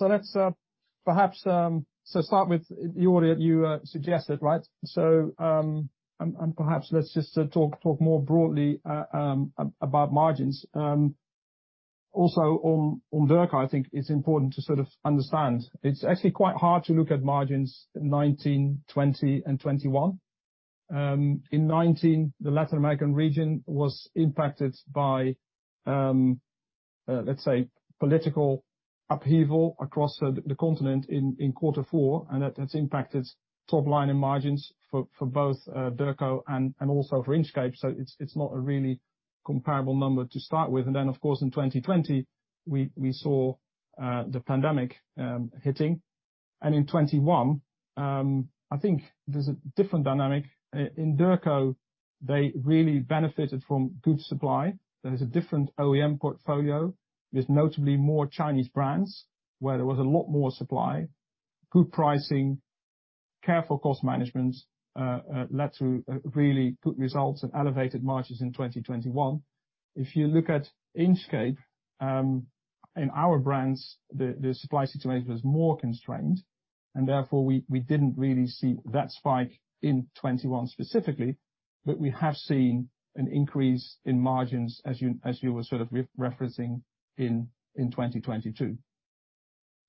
Let's perhaps start with the order you suggested, right? Perhaps let's just talk more broadly about margins. Also on Derco, I think it's important to sort of understand. It's actually quite hard to look at margins in 2019, 2020 and 2021. In 2019, the Latin American region was impacted by, let's say, political upheaval across the continent in quarter four, and that has impacted top line and margins for both Derco and also for Inchcape. It's not a really comparable number to start with. Of course, in 2020, we saw the pandemic hitting. In 2021, I think there's a different dynamic. In Derco, they really benefited from good supply. There is a different OEM portfolio. There's notably more Chinese brands where there was a lot more supply, good pricing, careful cost management, led to really good results and elevated margins in 2021. If you look at Inchcape, in our brands, the supply situation was more constrained, and therefore we didn't really see that spike in 2021 specifically, but we have seen an increase in margins, as you were sort of referencing in 2022.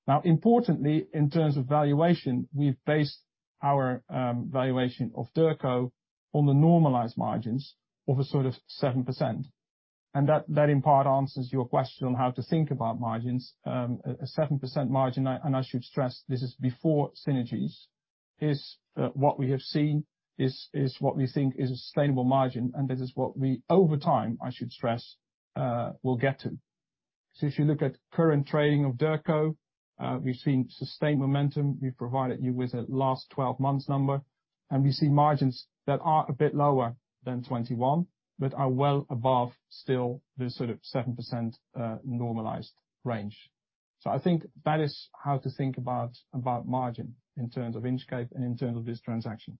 Now, importantly, in terms of valuation, we've based our valuation of Derco on the normalized margins of a sort of 7%. That in part answers your question on how to think about margins. A 7% margin, and I should stress, this is before synergies. What we have seen is what we think is a sustainable margin, and this is what we over time, I should stress, will get to. If you look at current trading of Derco, we've seen sustained momentum. We've provided you with a last 12 months number, and we see margins that are a bit lower than 21%, but are well above still the sort of 7% normalized range. I think that is how to think about margin in terms of Inchcape and in terms of this transaction.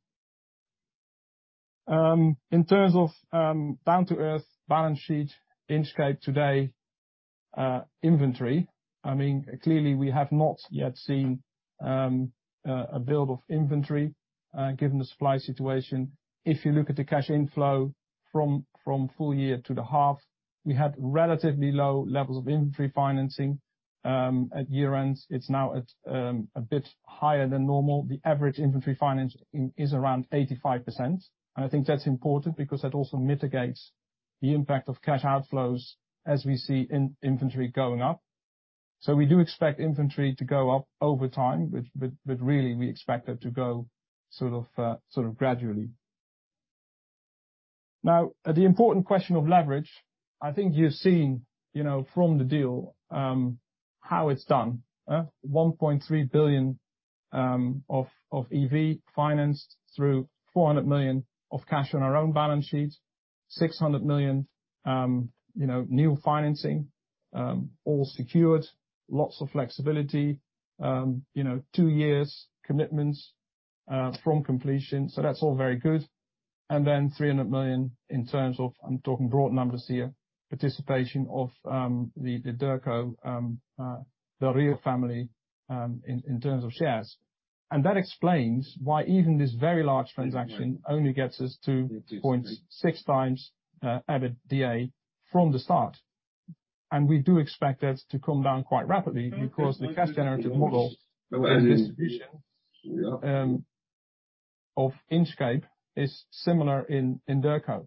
In terms of down to the balance sheet, Inchcape today, inventory, I mean, clearly we have not yet seen a build of inventory given the supply situation. If you look at the cash inflow from full year to the half, we had relatively low levels of inventory financing at year end. It's now at a bit higher than normal. The average inventory finance is around 85%. I think that's important because that also mitigates the impact of cash outflows as we see inventory going up. We do expect inventory to go up over time, but really we expect it to go sort of gradually. Now, the important question of leverage, I think you've seen, you know, from the deal, how it's done. 1.3 billion of EV financed through 400 million of cash on our own balance sheet, 600 million, you know, new financing, all secured, lots of flexibility. You know, two-year commitments from completion, that's all very good. Then 300 million in terms of, I'm talking broad numbers here, participation of the Derco, the Del Río family, in terms of shares. That explains why even this very large transaction only gets us to 0.6x EBITDA from the start. We do expect it to come down quite rapidly because the cash generative model and distribution of Inchcape is similar in Derco.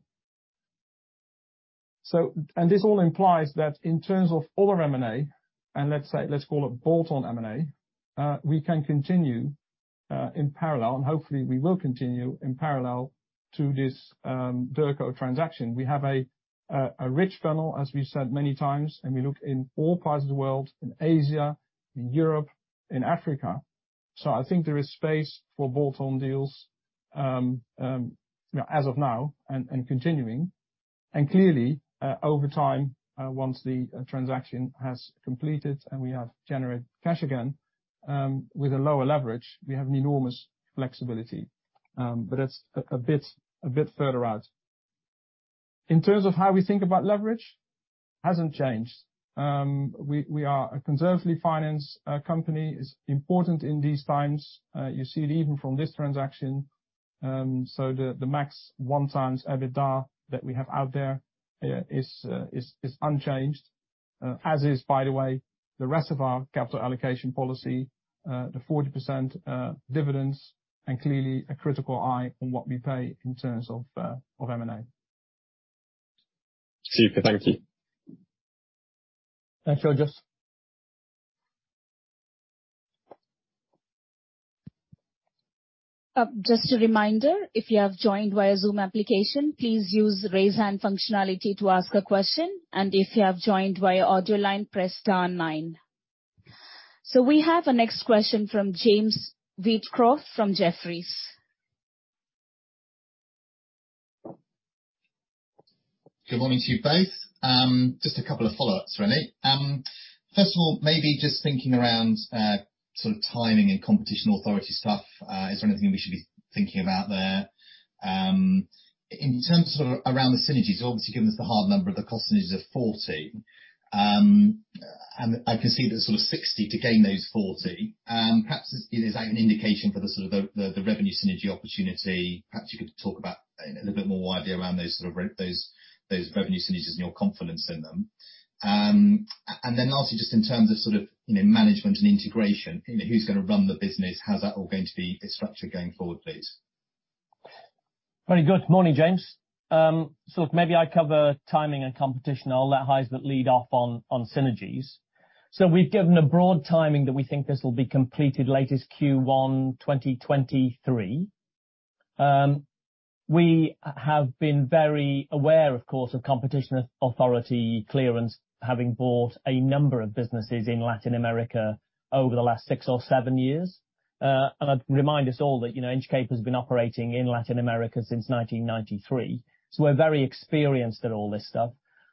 This all implies that in terms of other M&A, and let's say, let's call it bolt-on M&A, we can continue in parallel, and hopefully we will continue in parallel to this Derco transaction. We have a rich funnel, as we've said many times, and we look in all parts of the world, in Asia, in Europe, in Africa. I think there is space for bolt-on deals, you know, as of now and continuing. Clearly, over time, once the transaction has completed and we have generated cash again, with a lower leverage, we have an enormous flexibility, but it's a bit further out. In terms of how we think about leverage, hasn't changed. We are a conservatively financed company. It's important in these times. You see it even from this transaction. The max 1x EBITDA that we have out there is unchanged, as is, by the way, the rest of our capital allocation policy, the 40% dividends and clearly a critical eye on what we pay in terms of M&A. Super. Thank you. Thanks, Georgios. Just a reminder, if you have joined via Zoom application, please use raise hand functionality to ask a question, and if you have joined via audio line, press star nine. We have our next question from James Wheatcroft from Jefferies. Good morning to you both. Just a couple of follow-ups, René. First of all, maybe just thinking around sort of timing and competition authority stuff, is there anything we should be thinking about there? In terms of around the synergies, obviously, given us the hard number of the cost synergies of 40, and I can see there's sort of 60 to gain those 40, perhaps is like an indication for the sort of the revenue synergy opportunity. Perhaps you could talk about, you know, a little bit more widely around those sort of those revenue synergies and your confidence in them. Lastly, just in terms of sort of, you know, management and integration, you know, who's gonna run the business? How's that all going to be structured going forward, please? Very good. Morning, James. Maybe I cover timing and competition. I'll let Gijsbert lead off on synergies. We've given a broad timing that we think this will be completed latest Q1 2023. We have been very aware, of course, of competition authority clearance, having bought a number of businesses in Latin America over the last six or seven years. I'd remind us all that, you know, Inchcape has been operating in Latin America since 1993, so we're very experienced at all this stuff.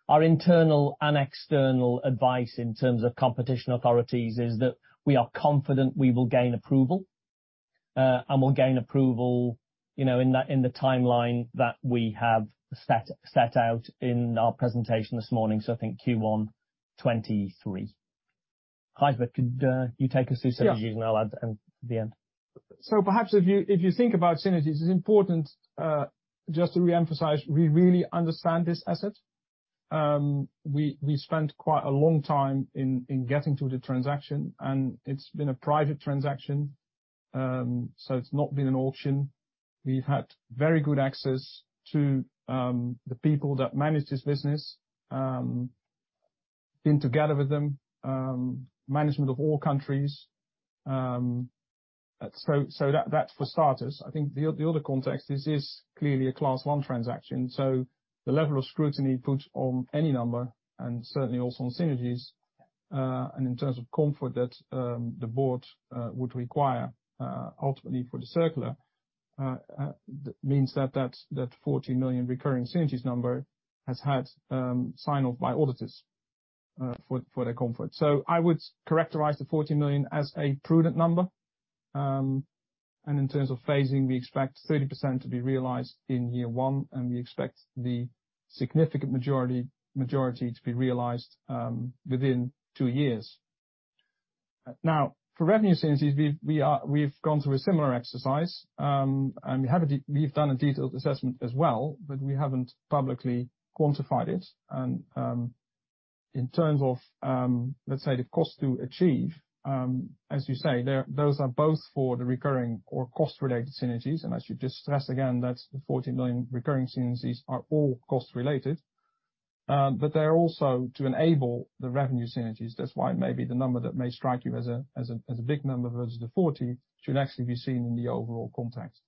Our internal and external advice in terms of competition authorities is that we are confident we will gain approval, and we'll gain approval, you know, in the timeline that we have set out in our presentation this morning. I think Q1 2023. Gijsbert, could you take us through synergies. Yeah. I'll add at the end. Perhaps if you think about synergies, it's important just to reemphasize, we really understand this asset. We spent quite a long time in getting to the transaction, and it's been a private transaction, so it's not been an auction. We've had very good access to the people that manage this business, been together with them, management of all countries. That's for starters. I think the other context, this is clearly a Class one transaction, so the level of scrutiny put on any number, and certainly also on synergies, and in terms of comfort that the board would require ultimately for the circular, means that that 40 million recurring synergies number has had sign-off by auditors for their comfort. I would characterize the 40 million as a prudent number. In terms of phasing, we expect 30% to be realized in year one, and we expect the significant majority to be realized within two years. For revenue synergies, we've gone through a similar exercise, and we've done a detailed assessment as well, but we haven't publicly quantified it. In terms of, let's say, the cost to achieve, as you say, there, those are both for the recurring or cost-related synergies. I should just stress again that the 40 million recurring synergies are all cost related, but they're also to enable the revenue synergies. That's why maybe the number that may strike you as a big number versus the 40 should actually be seen in the overall context.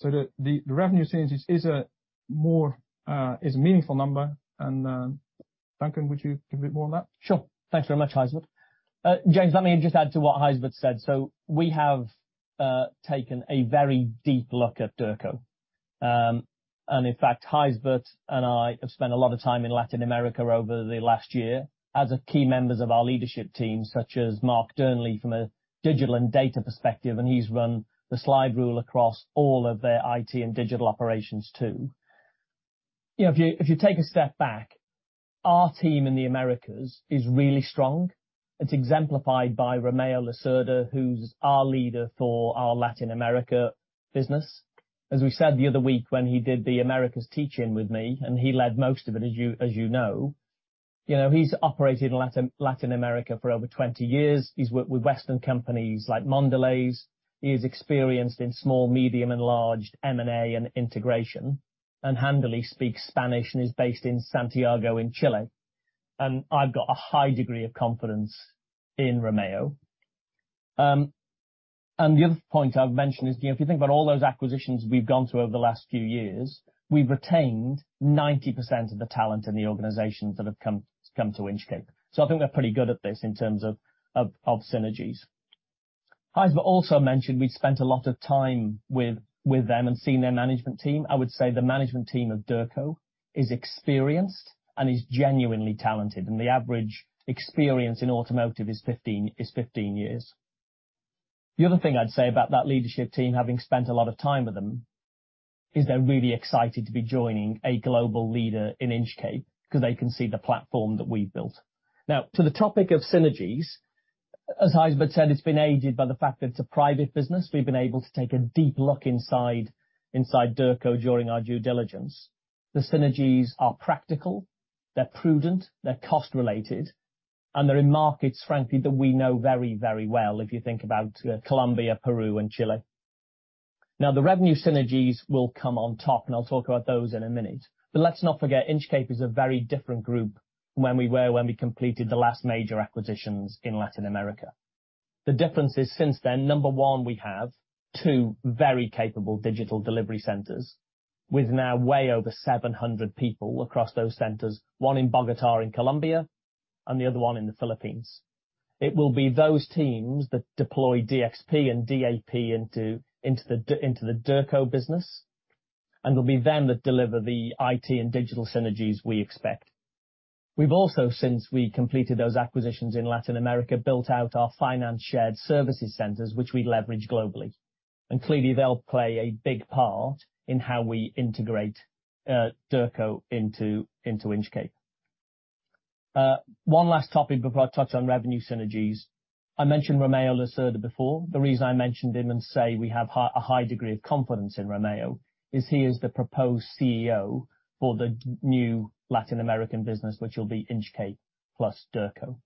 The revenue synergies is a meaningful number, and Duncan, would you give a bit more on that? Sure. Thanks very much, Gijsbert. James, let me just add to what Gijsbert said. We have taken a very deep look at Derco. In fact, Gijsbert and I have spent a lot of time in Latin America over the last year as key members of our leadership team, such as Mark Dearnley from a digital and data perspective, and he's run the slide rule across all of their IT and digital operations too. You know, if you take a step back, our team in the Americas is really strong. It's exemplified by Romeo Lacerda, who's our leader for our Latin America business. As we said the other week when he did the Americas teach-in with me, and he led most of it, as you know, he's operated in Latin America for over 20 years. He's worked with Western companies like Mondelez. He is experienced in small, medium, and large M&A and integration, and handily speaks Spanish and is based in Santiago in Chile. I've got a high degree of confidence in Romeo. The other point I would mention is, you know, if you think about all those acquisitions we've gone through over the last few years, we've retained 90% of the talent in the organizations that have come to Inchcape. I think we're pretty good at this in terms of synergies. Gijsbert also mentioned we've spent a lot of time with them and seen their management team. I would say the management team of Derco is experienced and is genuinely talented, and the average experience in automotive is 15 years. The other thing I'd say about that leadership team, having spent a lot of time with them, is they're really excited to be joining a global leader in Inchcape, 'cause they can see the platform that we've built. Now, to the topic of synergies, as Gijsbert said, it's been aided by the fact that it's a private business. We've been able to take a deep look inside Derco during our due diligence. The synergies are practical, they're prudent, they're cost related, and they're in markets, frankly, that we know very, very well, if you think about Colombia, Peru, and Chile. Now, the revenue synergies will come on top, and I'll talk about those in a minute. Let's not forget, Inchcape is a very different group from when we were when we completed the last major acquisitions in Latin America. The difference is since then, number one, we have two very capable digital delivery centers with now way over 700 people across those centers. One in Bogotá in Colombia and the other one in the Philippines. It will be those teams that deploy DXP and DAP into the Derco business. It'll be them that deliver the IT and digital synergies we expect. We've also, since we completed those acquisitions in Latin America, built out our finance shared services centers, which we leverage globally. Clearly, they'll play a big part in how we integrate Derco into Inchcape. One last topic before I touch on revenue synergies. I mentioned Romeo Lacerda before. The reason I mentioned him and say we have a high degree of confidence in Romeo is he is the proposed CEO for the new Latin American business, which will be Inchcape plus Derco.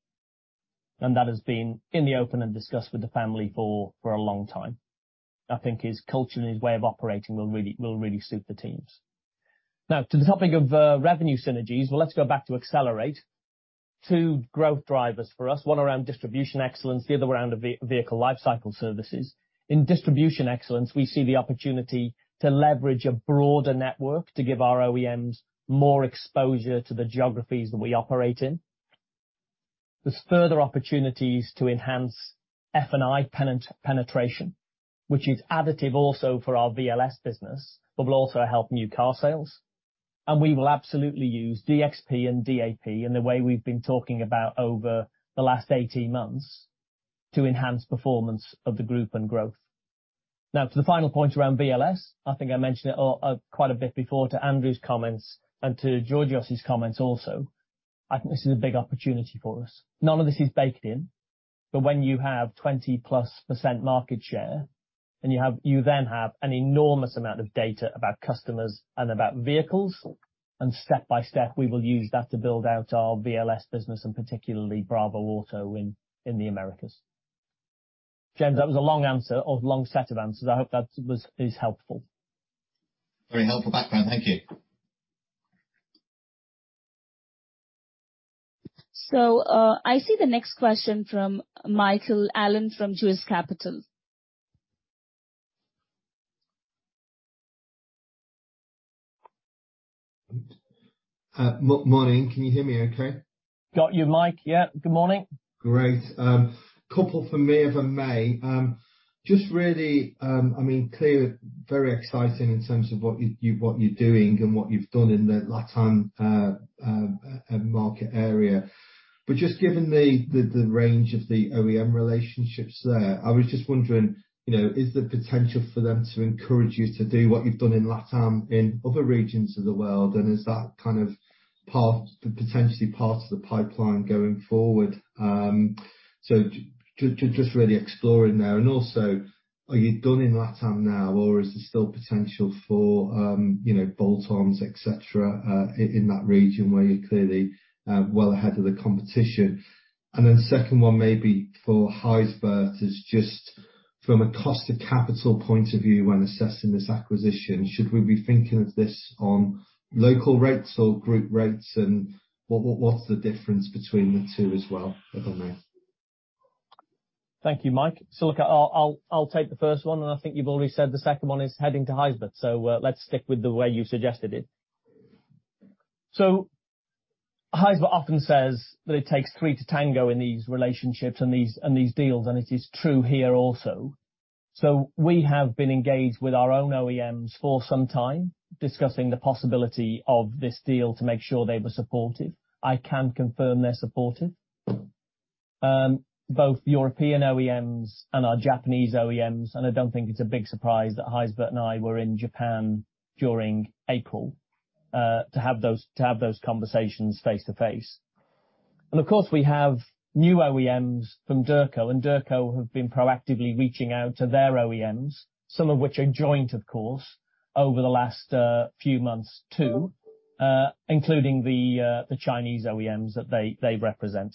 That has been in the open and discussed with the family for a long time. I think his culture and his way of operating will really suit the teams. Now, to the topic of revenue synergies, well, let's go back to Accelerate. Two growth drivers for us, one around distribution excellence, the other around vehicle lifecycle services. In distribution excellence, we see the opportunity to leverage a broader network to give our OEMs more exposure to the geographies that we operate in. There's further opportunities to enhance F&I penetration, which is additive also for our VLS business, but will also help new car sales. We will absolutely use DXP and DAP in the way we've been talking about over the last 18 months to enhance performance of the group and growth. Now, to the final point around VLS, I think I mentioned it quite a bit before to Andrew's comments and to Georgios's comments also. I think this is a big opportunity for us. None of this is baked in. But when you have 20%+ market share, and you have, you then have an enormous amount of data about customers and about vehicles, and step-by-step we will use that to build out our VLS business, and particularly Bravoauto in the Americas. James, that was a long answer or long set of answers. I hope that is helpful. Very helpful background. Thank you. I see the next question from Michael Allen from Zeus Capital. Morning. Can you hear me okay? Got you, Mike. Yeah. Good morning. Great. Couple from me if I may. Just really, I mean, clearly very exciting in terms of what you're doing and what you've done in the LatAm market area. Just given the range of the OEM relationships there, I was just wondering, you know, is there potential for them to encourage you to do what you've done in LatAm in other regions of the world? Is that kind of potentially part of the pipeline going forward? Just really exploring there. Also, are you done in LatAm now, or is there still potential for, you know, bolt-ons, et cetera, in that region where you're clearly well ahead of the competition? Second one maybe for Gijsbert is just from a cost of capital point of view when assessing this acquisition, should we be thinking of this on local rates or group rates? What’s the difference between the two as well at the moment? Thank you, Mike. Look, I'll take the first one, and I think you've already said the second one is heading to Gijsbert. Let's stick with the way you suggested it. Gijsbert often says that it takes three to tango in these relationships and these deals, and it is true here also. We have been engaged with our own OEMs for some time discussing the possibility of this deal to make sure they were supportive. I can confirm they're supportive. Both European OEMs and our Japanese OEMs, and I don't think it's a big surprise that Gijsbert and I were in Japan during April to have those conversations face-to-face. Of course, we have new OEMs from Derco, and Derco have been proactively reaching out to their OEMs, some of which are joint, of course, over the last few months too, including the Chinese OEMs that they represent.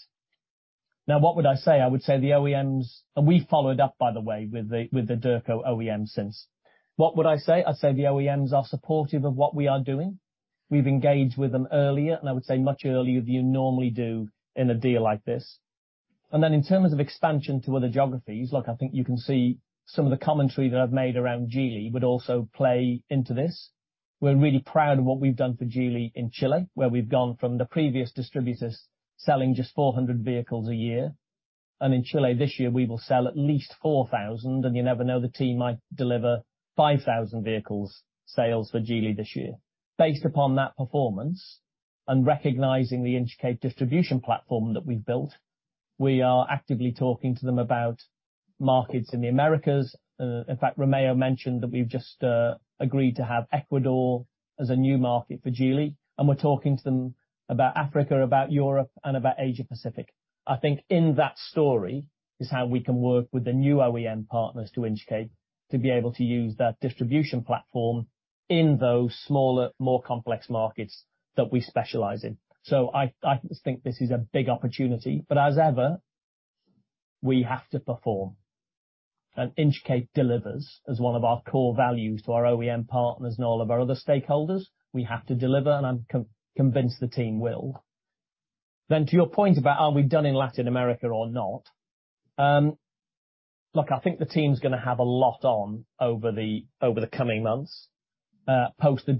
Now, what would I say? I would say the OEMs. We followed up, by the way, with the Derco OEMs since. What would I say? I'd say the OEMs are supportive of what we are doing. We've engaged with them earlier, and I would say much earlier than you normally do in a deal like this. Then in terms of expansion to other geographies, look, I think you can see some of the commentary that I've made around Geely would also play into this. We're really proud of what we've done for Geely in Chile, where we've gone from the previous distributors selling just 400 vehicles a year, and in Chile this year, we will sell at least 4,000. You never know, the team might deliver 5,000 vehicles sales for Geely this year. Based upon that performance, and recognizing the Inchcape distribution platform that we've built, we are actively talking to them about markets in the Americas. In fact, Romeo mentioned that we've just agreed to have Ecuador as a new market for Geely, and we're talking to them about Africa, about Europe, and about Asia-Pacific. I think in that story is how we can work with the new OEM partners to Inchcape to be able to use that distribution platform in those smaller, more complex markets that we specialize in. I think this is a big opportunity. As ever, we have to perform. Inchcape delivers as one of our core values to our OEM partners and all of our other stakeholders. We have to deliver, and I'm convinced the team will. To your point about are we done in Latin America or not. Look, I think the team's gonna have a lot on over the coming months, post the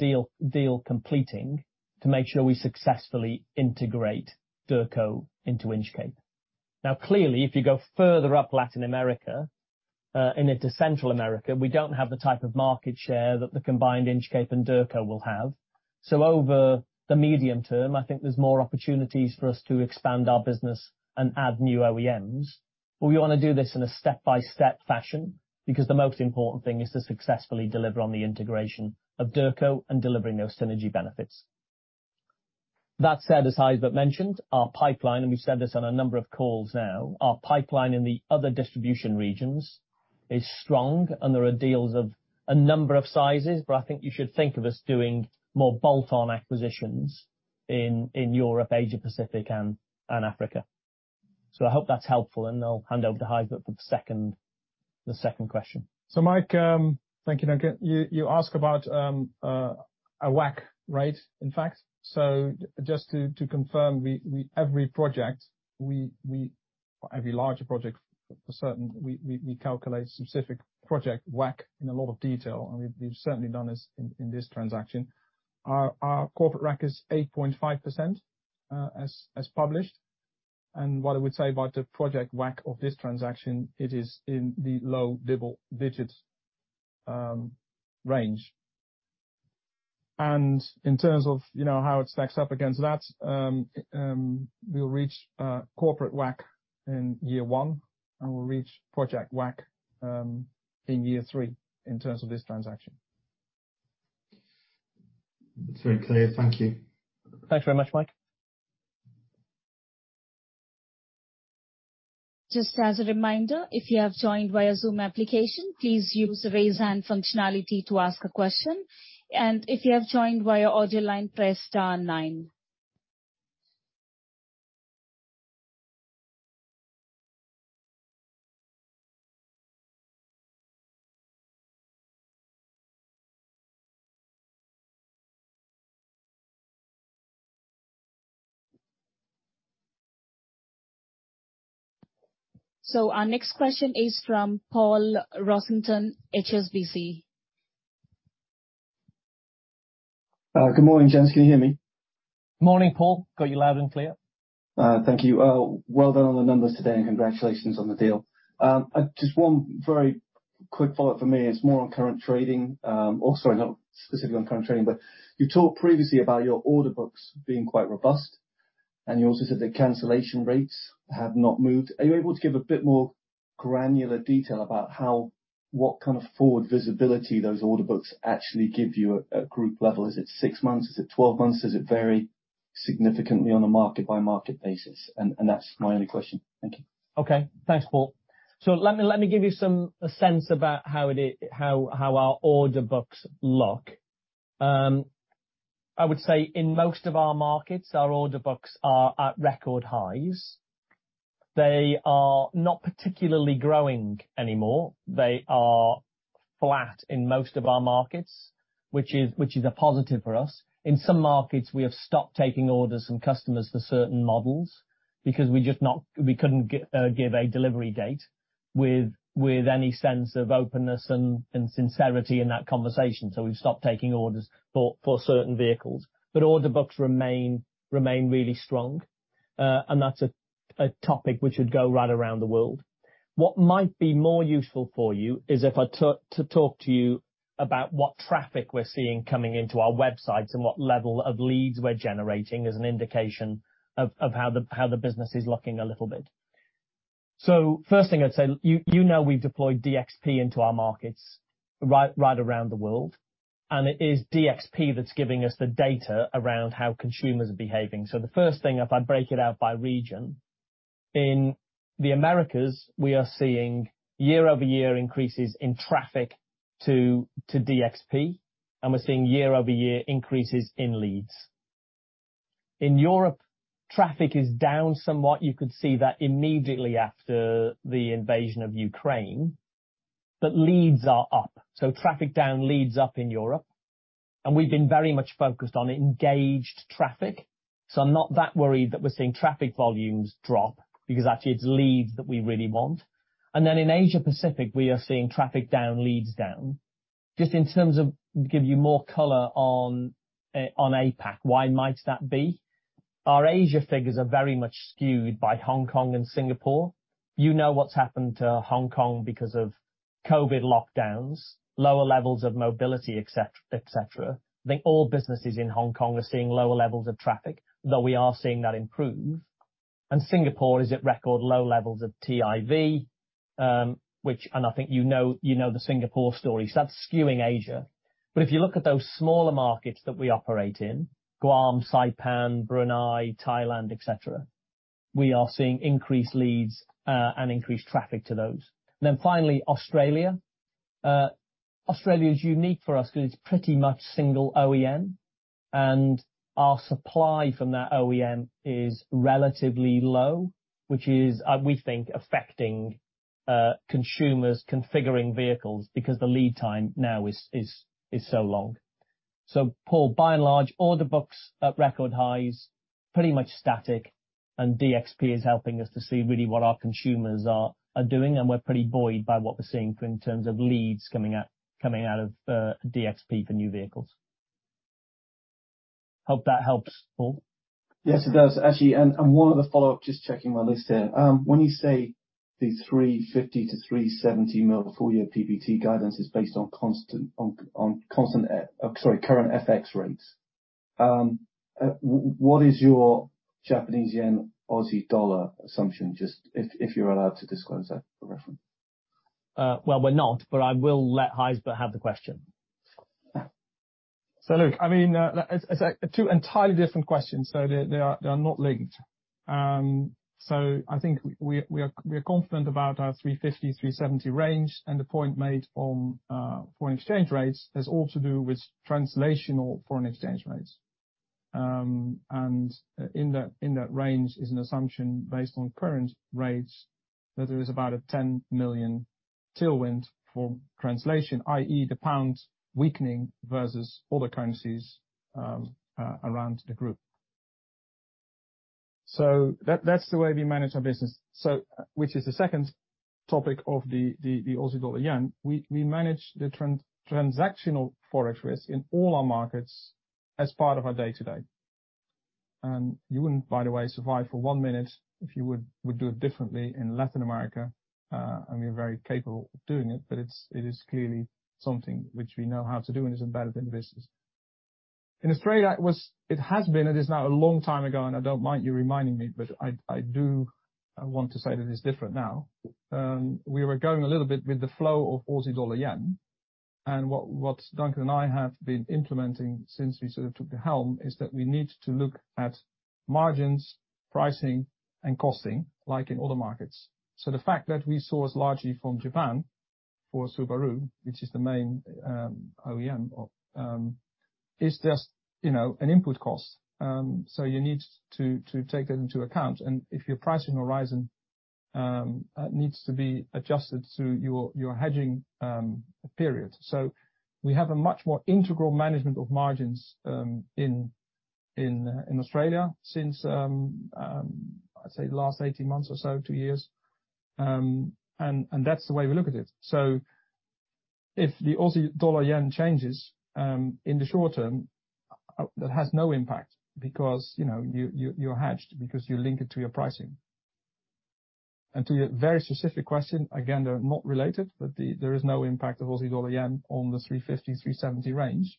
deal completing to make sure we successfully integrate Derco into Inchcape. Clearly, if you go further up Latin America, and into Central America, we don't have the type of market share that the combined Inchcape and Derco will have. Over the medium term, I think there's more opportunities for us to expand our business and add new OEMs, but we wanna do this in a step-by-step fashion, because the most important thing is to successfully deliver on the integration of Derco and delivering those synergy benefits. That said, as Gijsbert mentioned, our pipeline, and we've said this on a number of calls now, our pipeline in the other distribution regions is strong and there are deals of a number of sizes, but I think you should think of us doing more bolt-on acquisitions in Europe, Asia-Pacific, and Africa. I hope that's helpful, and I'll hand over to Gijsbert for the second question. Mike, thank you again. You ask about a WACC rate, in fact. Just to confirm, every larger project for certain, we calculate specific project WACC in a lot of detail, and we've certainly done this in this transaction. Our corporate WACC is 8.5%, as published. What I would say about the project WACC of this transaction, it is in the low double digits range. In terms of, you know, how it stacks up against that, we'll reach corporate WACC in year one, and we'll reach project WACC in year three in terms of this transaction. It's very clear. Thank you. Thanks very much, Mike. Just as a reminder, if you have joined via Zoom application, please use the Raise Hand functionality to ask a question, and if you have joined via audio line, press star nine. Our next question is from Paul Rossington, HSBC. Good morning, gents. Can you hear me? Morning, Paul. Got you loud and clear. Thank you. Well done on the numbers today, and congratulations on the deal. Just one very quick follow-up for me, it's more on current trading, or sorry, not specifically on current trading, but you talked previously about your order books being quite robust, and you also said the cancellation rates have not moved. Are you able to give a bit more granular detail about what kind of forward visibility those order books actually give you at group level? Is it six months? Is it 12 months? Does it vary significantly on a market-by-market basis? That's my only question. Thank you. Okay. Thanks, Paul. Let me give you some sense about how our order books look. I would say in most of our markets, our order books are at record highs. They are not particularly growing anymore. They are flat in most of our markets, which is a positive for us. In some markets, we have stopped taking orders from customers for certain models because we couldn't give a delivery date with any sense of openness and sincerity in that conversation. We've stopped taking orders for certain vehicles. Order books remain really strong, and that's a topic which would go right around the world. What might be more useful for you is if I talk to you about what traffic we're seeing coming into our websites and what level of leads we're generating as an indication of how the business is looking a little bit. First thing I'd say, you know we've deployed DXP into our markets right around the world, and it is DXP that's giving us the data around how consumers are behaving. The first thing, if I break it out by region, in the Americas, we are seeing year-over-year increases in traffic to DXP, and we're seeing year-over-year increases in leads. In Europe, traffic is down somewhat. You could see that immediately after the invasion of Ukraine, but leads are up. Traffic down, leads up in Europe. We've been very much focused on engaged traffic, so I'm not that worried that we're seeing traffic volumes drop because actually it's leads that we really want. Then in Asia-Pacific, we are seeing traffic down, leads down. Just in terms of give you more color on APAC, why might that be? Our Asia figures are very much skewed by Hong Kong and Singapore. You know what's happened to Hong Kong because of COVID lockdowns, lower levels of mobility, et cetera. I think all businesses in Hong Kong are seeing lower levels of traffic, though we are seeing that improve. Singapore is at record low levels of TIV, which I think you know the Singapore story. That's skewing Asia. If you look at those smaller markets that we operate in, Guam, Saipan, Brunei, Thailand, et cetera, we are seeing increased leads and increased traffic to those. Finally, Australia. Australia is unique for us 'cause it's pretty much single OEM, and our supply from that OEM is relatively low, which is, we think affecting consumers configuring vehicles because the lead time now is so long. Paul, by and large, order books at record highs, pretty much static, and DXP is helping us to see really what our consumers are doing, and we're pretty buoyed by what we're seeing for in terms of leads coming out of DXP for new vehicles. Hope that helps, Paul. Yes, it does. Actually, and one other follow-up, just checking my list here. When you say the 350 million-370 million full year PBT guidance is based on constant, sorry, current FX rates, what is your Japanese yen/Aussie dollar assumption, just if you're allowed to disclose that for reference? Well, we're not, but I will let Gijsbert have the question. Look, I mean, it's two entirely different questions. They are not linked. I think we are confident about our 350-370 range, and the point made on foreign exchange rates has all to do with translational foreign exchange rates. In that range is an assumption based on current rates that there is about a 10 million tailwind for translation, i.e., the pound weakening versus other currencies around the group. That's the way we manage our business. Which is the second topic of the Aussie dollar/yen. We manage the transactional foreign exchange risk in all our markets as part of our day-to-day. You wouldn't, by the way, survive for one minute if you would do it differently in Latin America, and we're very capable of doing it, but it is clearly something which we know how to do and is embedded in the business. In Australia, it has been, it is now a long time ago, and I don't mind you reminding me, but I do want to say that it's different now. We were going a little bit with the flow of Aussie dollar/yen. What Duncan Tait and I have been implementing since we sort of took the helm is that we need to look at margins, pricing and costing like in other markets. So the fact that we source largely from Japan for Subaru, which is the main OEM, is just, you know, an input cost. You need to take that into account. If your pricing horizon needs to be adjusted to your hedging period. We have a much more integral management of margins in Australia since I'd say the last 18 months or so, two years. That's the way we look at it. If the Aussie dollar/yen changes in the short term, that has no impact because, you know, you're hedged because you link it to your pricing. To your very specific question, again, they're not related, but there is no impact of Aussie dollar/yen on the 350-370 range.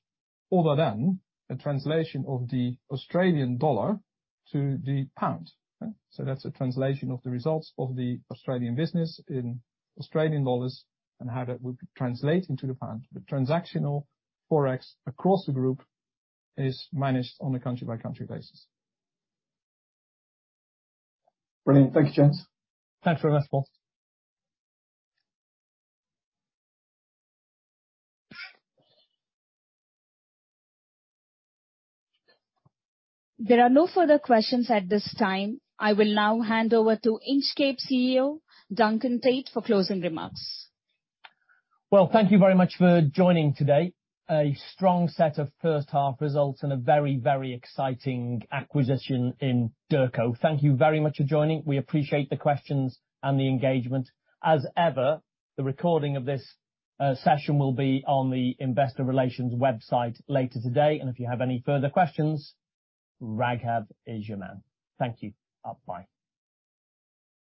Other than the translation of the Australian dollar to the pound, so that's a translation of the results of the Australian business in Australian dollars and how that would translate into the pound. The transactional Forex across the group is managed on a country by country basis. Brilliant. Thank you, gents. Thanks very much, Paul. There are no further questions at this time. I will now hand over to Inchcape CEO Duncan Tait for closing remarks. Well, thank you very much for joining today. A strong set of first half results and a very, very exciting acquisition in Derco. Thank you very much for joining. We appreciate the questions and the engagement. As ever, the recording of this session will be on the investor relations website later today. If you have any further questions, Raghav is your man. Thank you. Bye.